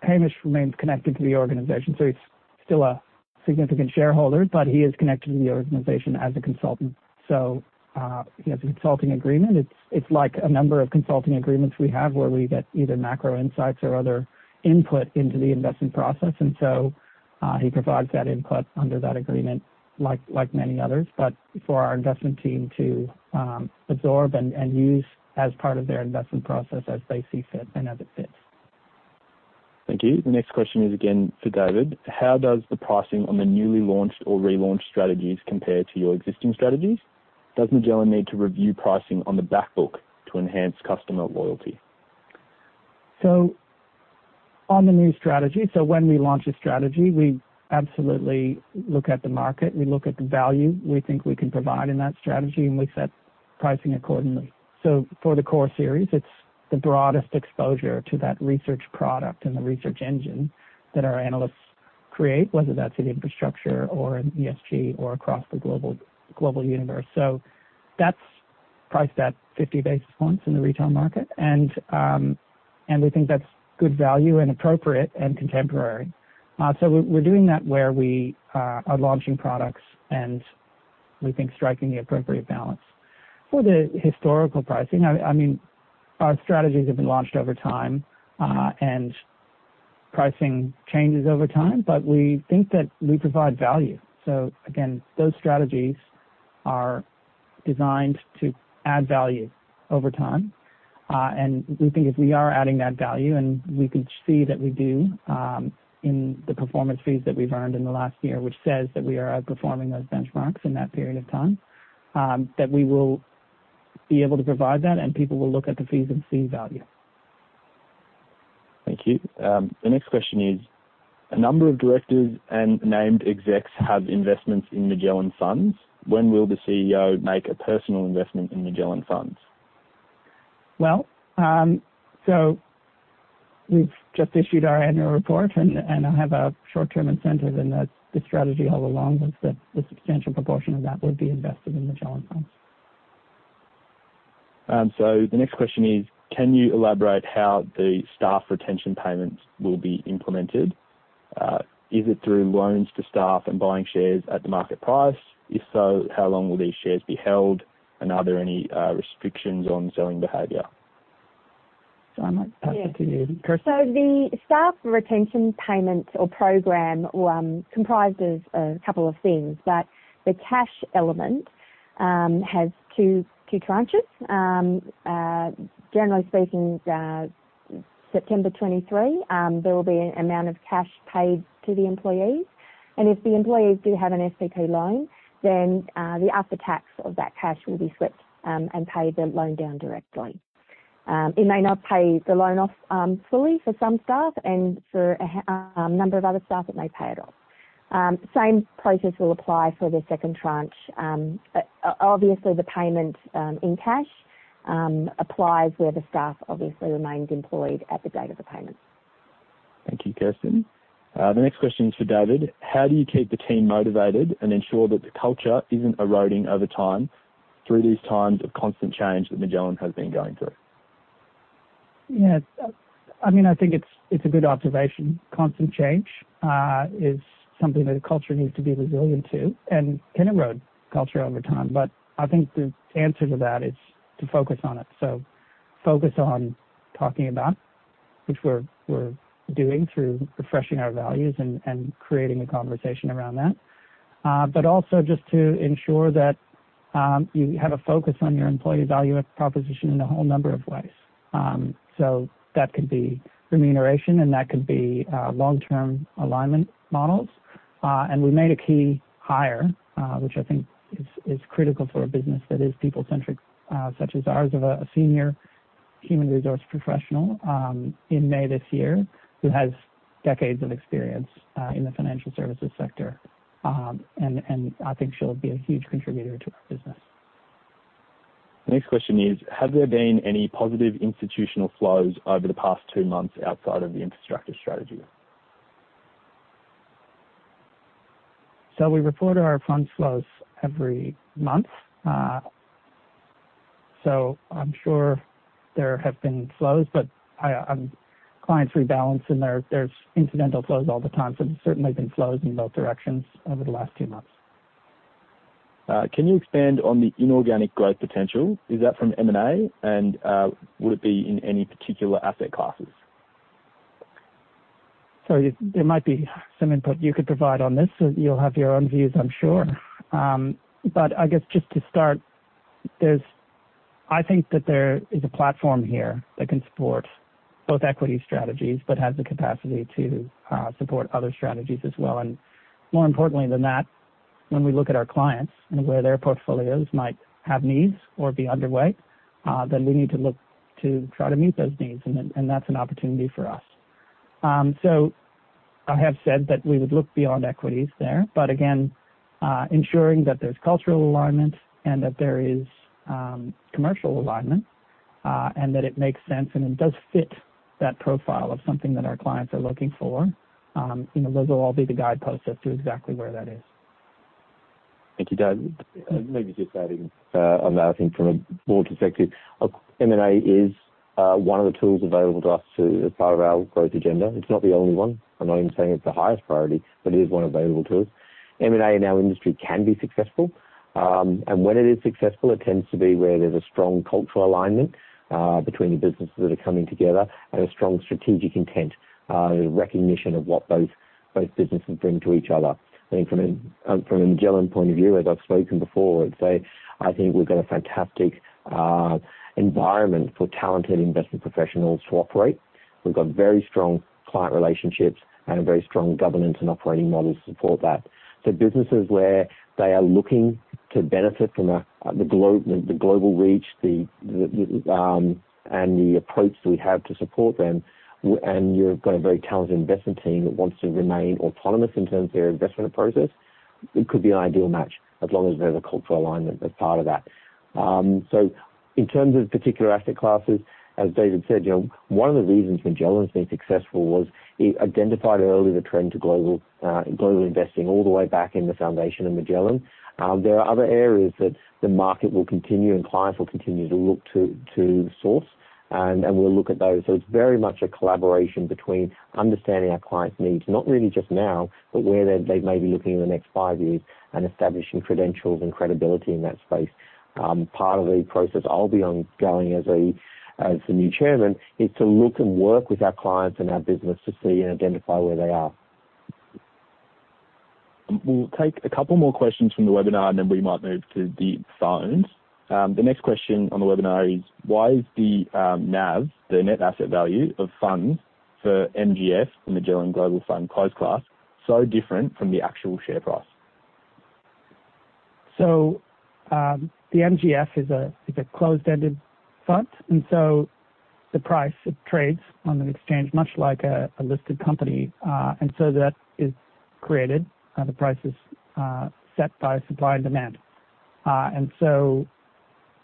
Hamish remains connected to the organization, so he's still a significant shareholder, but he is connected to the organization as a consultant. He has a consulting agreement. It's like a number of consulting agreements we have, where we get either macro insights or other input into the investment process. He provides that input under that agreement, like many others, but for our investment team to absorb and use as part of their investment process as they see fit and as it fits. Thank you. The next question is again for David: How does the pricing on the newly launched or relaunched strategies compare to your existing strategies? Does Magellan need to review pricing on the back book to enhance customer loyalty? On the new strategy, when we launch a strategy, we absolutely look at the market, we look at the value we think we can provide in that strategy, and we set pricing accordingly. For the Magellan Core Series, it's the broadest exposure to that research product and the research engine that our analysts create, whether that's in infrastructure or in ESG or across the global, global universe. That's priced at 50 basis points in the retail market. We think that's good value and appropriate and contemporary. We're, we're doing that where we are launching products, and we think striking the appropriate balance. For the historical pricing, I mean, our strategies have been launched over time, and pricing changes over time, but we think that we provide value. Again, those strategies are designed to add value over time. We think if we are adding that value, and we can see that we do, in the performance fees that we've earned in the last year, which says that we are outperforming those benchmarks in that period of time, that we will be able to provide that, and people will look at the fees and see value. Thank you. The next question is: A number of directors and named execs have investments in Magellan Funds. When will the CEO make a personal investment in Magellan Funds? Well, we've just issued our annual report, and I have a short-term incentive, and that's the strategy all along, is that a substantial proportion of that would be invested in Magellan Funds. The next question is: Can you elaborate how the staff retention payments will be implemented? Is it through loans to staff and buying shares at the market price? If so, how long will these shares be held, and are there any restrictions on selling behavior? I might pass it to you, Kirsten. The staff retention payments or program comprised of a couple of things, but the cash element has two, two tranches. Generally speaking, September 2023, there will be an amount of cash paid to the employees, and if the employees do have an SPP loan, then the after-tax of that cash will be swept and pay the loan down directly. It may not pay the loan off fully for some staff, and for a number of other staff, it may pay it off. Same process will apply for the second tranche. Obviously, the payment in cash applies where the staff obviously remains employed at the date of the payment. Thank you, Kirsten. The next question is for David: How do you keep the team motivated and ensure that the culture isn't eroding over time through these times of constant change that Magellan has been going through? Yeah, I, I mean, I think it's, it's a good observation. Constant change is something that a culture needs to be resilient to and can erode culture over time. I think the answer to that is to focus on it. Focus on talking about, which we're, we're doing through refreshing our values and, and creating a conversation around that. Also just to ensure that you have a focus on your employee value proposition in a whole number of ways. That could be remuneration, and that could be long-term alignment models. We made a key hire, which I think is, is critical for a business that is people-centric, such as ours, of a senior human resource professional in May this year, who has decades of experience in the financial services sector. I think she'll be a huge contributor to our business. The next question is: Have there been any positive institutional flows over the past two months outside of the Infrastructure strategy? We report our fund flows every month. I'm sure there have been flows, but clients rebalance, and there, there's incidental flows all the time. There's certainly been flows in both directions over the last two months. Can you expand on the inorganic growth potential? Is that from M&A? Would it be in any particular asset classes? There might be some input you could provide on this. You'll have your own views, I'm sure. I guess just to start, I think that there is a platform here that can support both equity strategies, but has the capacity to support other strategies as well. More importantly than that, when we look at our clients and where their portfolios might have needs or be underway, then we need to look to try to meet those needs, and that's an opportunity for us. I have said that we would look beyond equities there, but again, ensuring that there's cultural alignment and that there is commercial alignment, and that it makes sense, and it does fit that profile of something that our clients are looking for. You know, those will all be the guideposts as to exactly where that is. Thank you, David. Maybe just adding on that, I think from a board perspective, M&A is one of the tools available to us to, as part of our growth agenda. It's not the only one. I'm not even saying it's the highest priority, but it is one available to us. M&A in our industry can be successful, and when it is successful, it tends to be where there's a strong cultural alignment between the businesses that are coming together and a strong strategic intent and a recognition of what both, both businesses bring to each other. I think from a, from a Magellan point of view, as I've spoken before, I'd say I think we've got a fantastic environment for talented investment professionals to operate. We've got very strong client relationships and a very strong governance and operating model to support that. Businesses where they are looking to benefit from a, the globe, the global reach, the, and the approach that we have to support them, and you've got a very talented investment team that wants to remain autonomous in terms of their investment process, it could be an ideal match as long as there's a cultural alignment as part of that. In terms of particular asset classes, as David said, you know, one of the reasons Magellan's been successful was it identified early the trend to global, global investing all the way back in the foundation of Magellan. There are other areas that the market will continue, and clients will continue to look to, to source, and, and we'll look at those. It's very much a collaboration between understanding our clients' needs, not really just now, but where they, they may be looking in the next five years, and establishing credentials and credibility in that space. Part of the process I'll be ongoing as a, as the new Chairman, is to look and work with our clients and our business to see and identify where they are. We'll take a couple more questions from the webinar, and then we might move to the phones. The next question on the webinar is: Why is the NAV, the net asset value, of funds for MGF, the Magellan Global Fund - Closed Class, so different from the actual share price? The MGF is a closed-ended fund, and so the price, it trades on the exchange, much like a listed company. That is created, the price is set by supply and demand.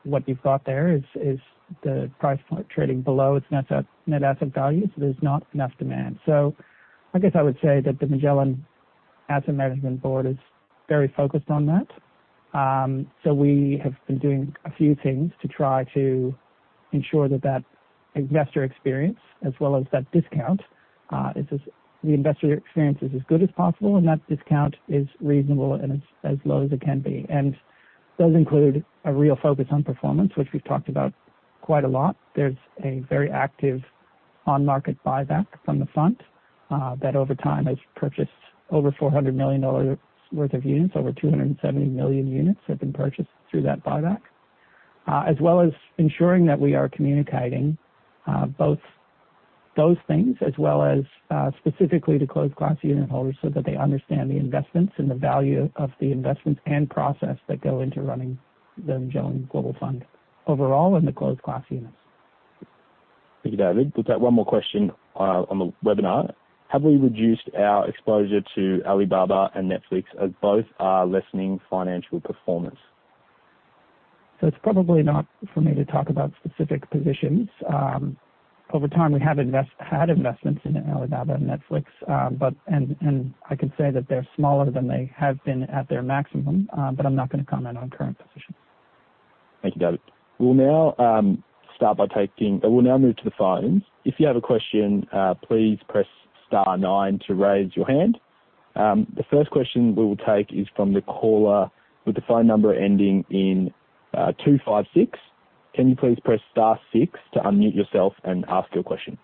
What you've got there is the price point trading below its net asset value. There's not enough demand. I guess I would say that the Magellan Asset Management Board is very focused on that. We have been doing a few things to try to ensure that, that investor experience, as well as that discount, the investor experience is as good as possible, and that discount is reasonable and as low as it can be. Those include a real focus on performance, which we've talked about quite a lot. There's a very active on-market buyback from the front, that over time has purchased over 400 million dollars worth of units. Over 270 million units have been purchased through that buyback. As well as ensuring that we are communicating, both those things, as well as, specifically to closed class unit holders, so that they understand the investments and the value of the investments and process that go into running the Magellan Global Fund overall in the closed class units. Thank you, David. We've got one more question, on the webinar: Have we reduced our exposure to Alibaba and Netflix, as both are lessening financial performance? It's probably not for me to talk about specific positions. Over time, we have had investments in Alibaba and Netflix, but and, and I can say that they're smaller than they have been at their maximum, but I'm not going to comment on current positions. Thank you, David. We'll now start by taking... We'll now move to the phones. If you have a question, please press star 9 to raise your hand. The first question we will take is from the caller with the phone number ending in 256. Can you please press star six to unmute yourself and ask your question?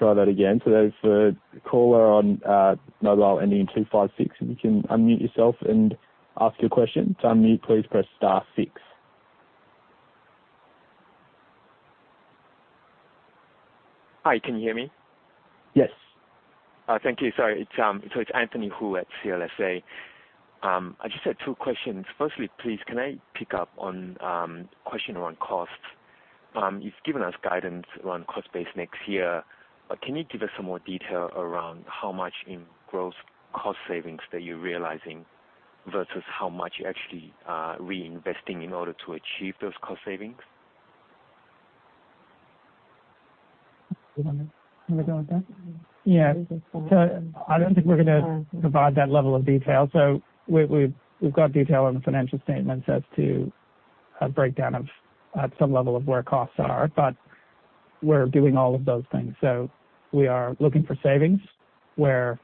Just try that again. So that is the caller on mobile ending in 256. If you can unmute yourself and ask your question. To unmute, please press star six. Hi, can you hear me? Yes. Thank you. Sorry, it's, so it's Anthony Hoo at CLSA. I just had two questions. Firstly, please, can I pick up on, question around costs? You've given us guidance around cost base next year, but can you give us some more detail around how much in growth cost savings that you're realizing, versus how much you're actually, reinvesting in order to achieve those cost savings? You want me to go with that? Yeah. I don't think we're going to provide that level of detail. We, we've, we've got detail on the financial statements as to a breakdown of, at some level of where costs are, but we're doing all of those things. We are looking for savings, where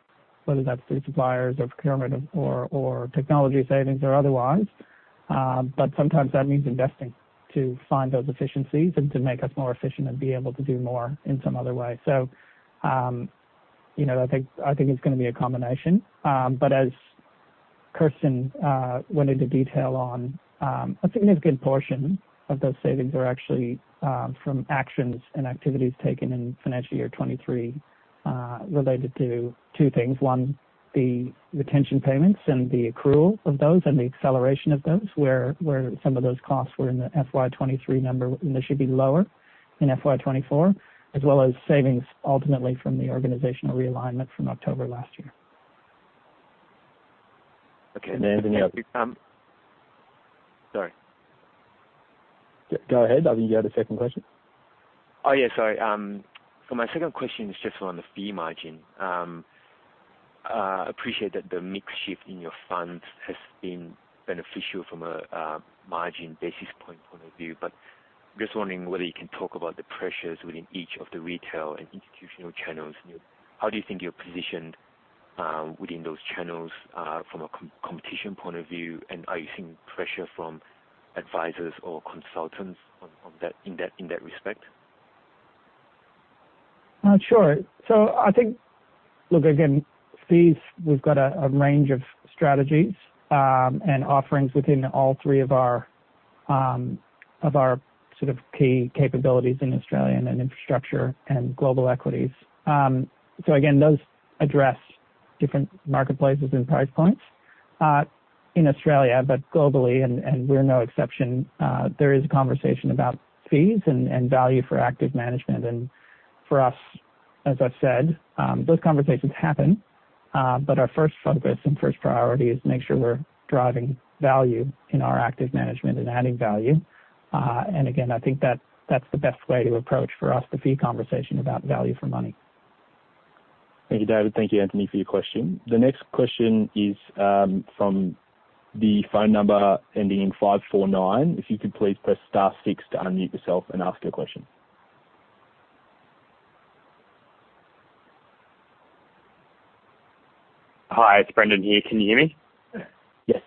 whether that's through suppliers or procurement or, or technology savings or otherwise, but sometimes that means investing to find those efficiencies and to make us more efficient and be able to do more in some other way. You know, I think, I think it's going to be a combination. But as Kirsten went into detail on, a significant portion of those savings are actually from actions and activities taken in financial year 23, related to 2 things. One, the retention payments and the accrual of those and the acceleration of those, where some of those costs were in the FY23 number, and they should be lower in FY24, as well as savings ultimately from the organizational realignment from October last year. Okay. Thank you. And then- Sorry. Go ahead. I think you had a second question. Oh, yeah, sorry. For my second question, is just on the fee margin. Appreciate that the mix shift in your funds has been beneficial from a, a margin basis point point of view, but just wondering whether you can talk about the pressures within each of the retail and institutional channels? How do you think you're positioned within those channels from a competition point of view? Are you seeing pressure from advisors or consultants on, on that, in that, in that respect? Sure. I think, look, again, fees, we've got a range of strategies and offerings within all three of our of our sort of key capabilities in Australian and infrastructure and global equities. Again, those address different marketplaces and price points in Australia, but globally, and we're no exception. There is a conversation about fees and value for active management. And for us, as I've said, those conversations happen, but our first focus and first priority is to make sure we're driving value in our active management and adding value. And again, I think that's the best way to approach for us, the fee conversation about value for money. Thank you, David. Thank you, Anthony, for your question. The next question is, from the phone number ending in 549. If you could please press star six to unmute yourself and ask your question. Hi, it's Brendan here. Can you hear me? Yes.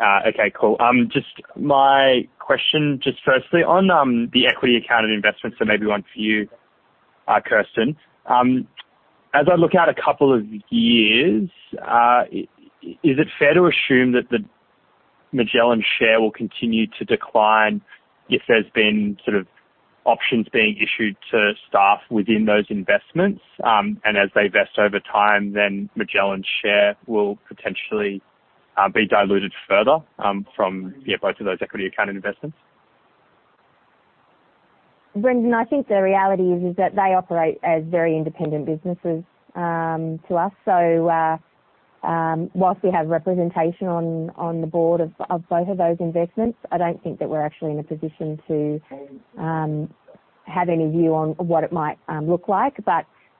Okay, cool. Just my question, just firstly on the equity account of investments, so maybe one for you, Kirsten. As I look out a couple of years, is it fair to assume that the Magellan share will continue to decline if there's been sort of options being issued to staff within those investments? As they vest over time, then Magellan's share will potentially be diluted further from both of those equity account investments? Brendan, I think the reality is, is that they operate as very independent businesses to us. Whilst we have representation on, on the board of, of both of those investments, I don't think that we're actually in a position to have any view on what it might look like.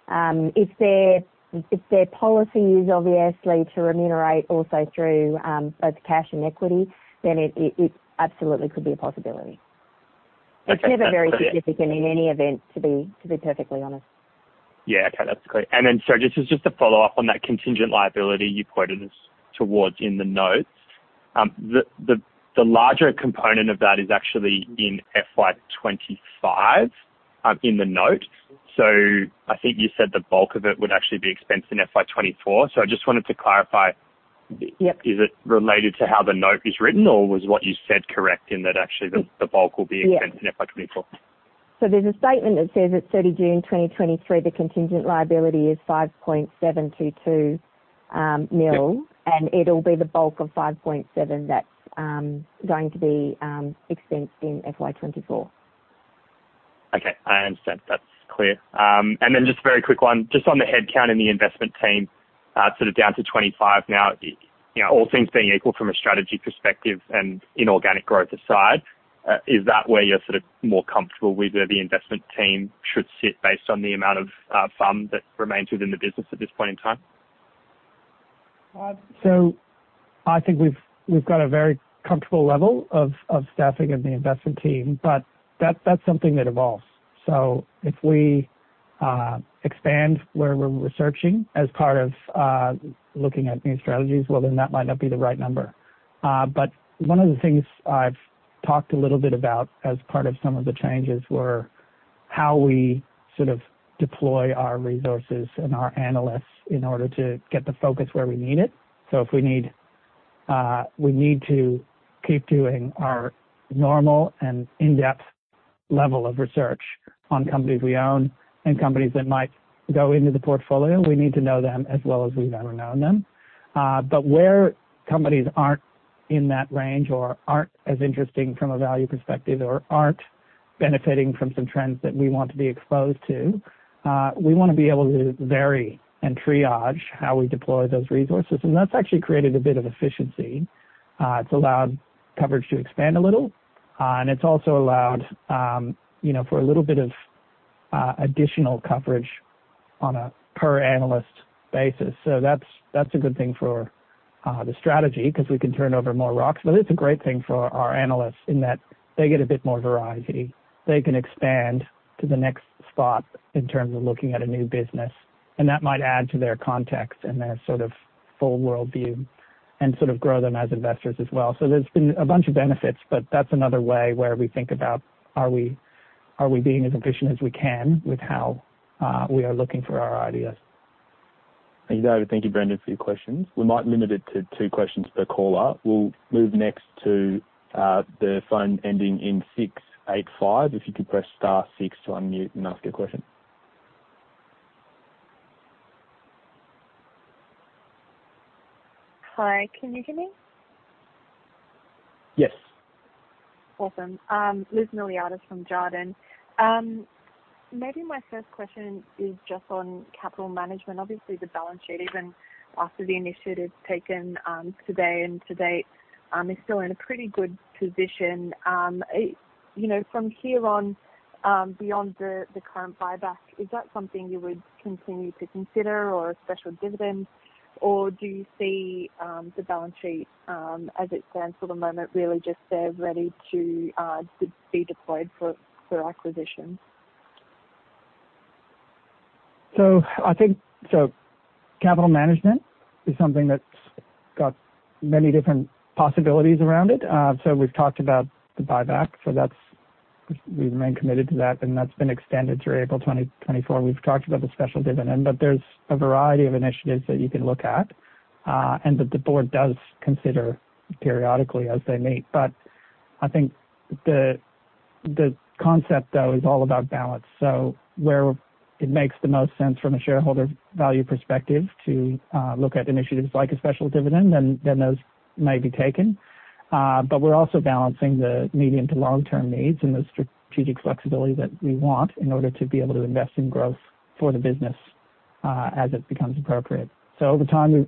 If their, if their policy is obviously to remunerate also through both cash and equity, then it, it, absolutely could be a possibility. Okay, that's great. It's never very significant in any event, to be, to be perfectly honest. Yeah. Okay, that's great. Just as just a follow-up on that contingent liability you pointed us towards in the notes. The larger component of that is actually in FY25 in the note. I think you said the bulk of it would actually be expensed in FY24. I just wanted to clarify- Yep. Is it related to how the note is written, or was what you said correct, in that actually the, the bulk will be? Yes. -expensed in FY24? There's a statement that says at 30 June 2023, the contingent liability is 5.722. Yep. It'll be the bulk of 5.7 that's going to be expensed in FY24. Okay, I understand. That's clear. Just a very quick one, just on the headcount in the investment team, sort of down to 25 now. You know, all things being equal from a strategy perspective and inorganic growth aside, is that where you're sort of more comfortable with, where the investment team should sit based on the amount of fund that remains within the business at this point in time? I think we've, we've got a very comfortable level of, of staffing in the investment team, but that's something that evolves. If we expand where we're researching as part of looking at new strategies, well, then that might not be the right number. One of the things I've talked a little bit about as part of some of the changes were how we sort of deploy our resources and our analysts in order to get the focus where we need it. If we need, we need to keep doing our normal and in-depth level of research on companies we own and companies that might go into the portfolio, we need to know them as well as we've ever known them. Where companies aren't in that range or aren't as interesting from a value perspective, or aren't benefiting from some trends that we want to be exposed to, we want to be able to vary and triage how we deploy those resources. That's actually created a bit of efficiency. It's allowed coverage to expand a little, and it's also allowed, you know, for a little bit of additional coverage on a per analyst basis. That's, that's a good thing for the strategy 'cause we can turn over more rocks. It's a great thing for our analysts in that they get a bit more variety. They can expand to the next spot in terms of looking at a new business, and that might add to their context and their sort of full worldview and sort of grow them as investors as well. There's been a bunch of benefits, but that's another way where we think about are we, are we being as efficient as we can with how, we are looking for our ideas? Thank you, David. Thank you, Brendan, for your questions. We might limit it to two questions per caller. We'll move next to the phone ending in 685. If you could press star six to unmute and ask your question. Hi, can you hear me? Yes. Awesome. Elizabeth Miliatis from Jarden. Maybe my first question is just on capital management. Obviously, the balance sheet, even after the initiatives taken, today and to date, is still in a pretty good position. You know, from here on, beyond the, the current buyback, is that something you would continue to consider or a special dividend, or do you see the balance sheet, as it stands for the moment, really just there, ready to be deployed for, for acquisitions? I think, so capital management is something that's got many different possibilities around it. We've talked about the buyback, so that's, we remain committed to that, and that's been extended through April 2024. We've talked about the special dividend, there's a variety of initiatives that you can look at, and that the board does consider periodically as they meet. I think the concept, though, is all about balance. Where it makes the most sense from a shareholder value perspective to look at initiatives like a special dividend, then those may be taken. We're also balancing the medium to long-term needs and the strategic flexibility that we want in order to be able to invest in growth for the business, as it becomes appropriate. Over time, we,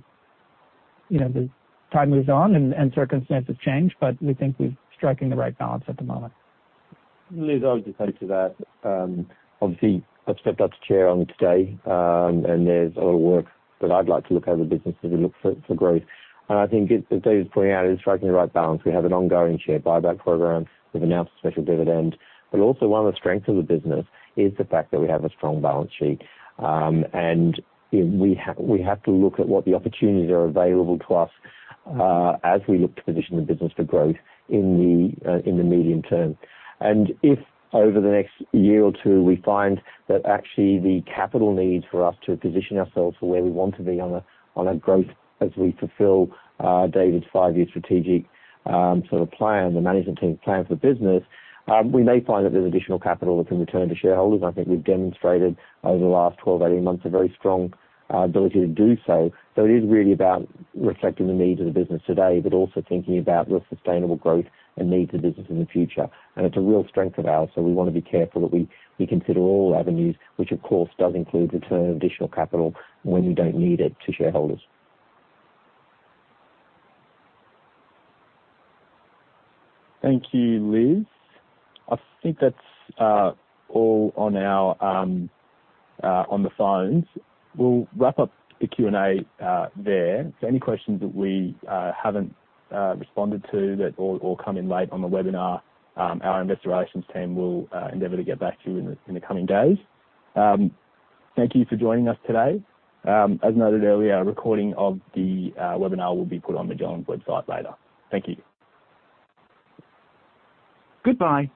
you know, the time moves on and, and circumstances change, but we think we're striking the right balance at the moment. Liz, I would just add to that. Obviously, I've stepped up to chair on today, and there's a lot of work that I'd like to look over the business as we look for, for growth. I think as David pointed out, is striking the right balance. We have an ongoing share buyback program. We've announced a special dividend, but also one of the strengths of the business is the fact that we have a strong balance sheet. We ha-- we have to look at what the opportunities are available to us, as we look to position the business for growth in the medium term. If over the next year or two, we find that actually the capital needs for us to position ourselves where we want to be on a, on a growth as we fulfill David's 5-year strategic sort of plan, the management team's plan for the business, we may find that there's additional capital that can return to shareholders. I think we've demonstrated over the last 12, 18 months, a very strong ability to do so. It is really about reflecting the needs of the business today, but also thinking about the sustainable growth and needs of business in the future. It's a real strength of ours, so we want to be careful that we, we consider all avenues, which of course, does include returning additional capital when we don't need it, to shareholders. Thank you, Liz. I think that's all on our on the phones. We'll wrap up the Q&A there. Any questions that we haven't responded to that or come in late on the webinar, our investor relations team will endeavor to get back to you in the coming days. Thank you for joining us today. As noted earlier, a recording of the webinar will be put on the Magellan website later. Thank you. Goodbye.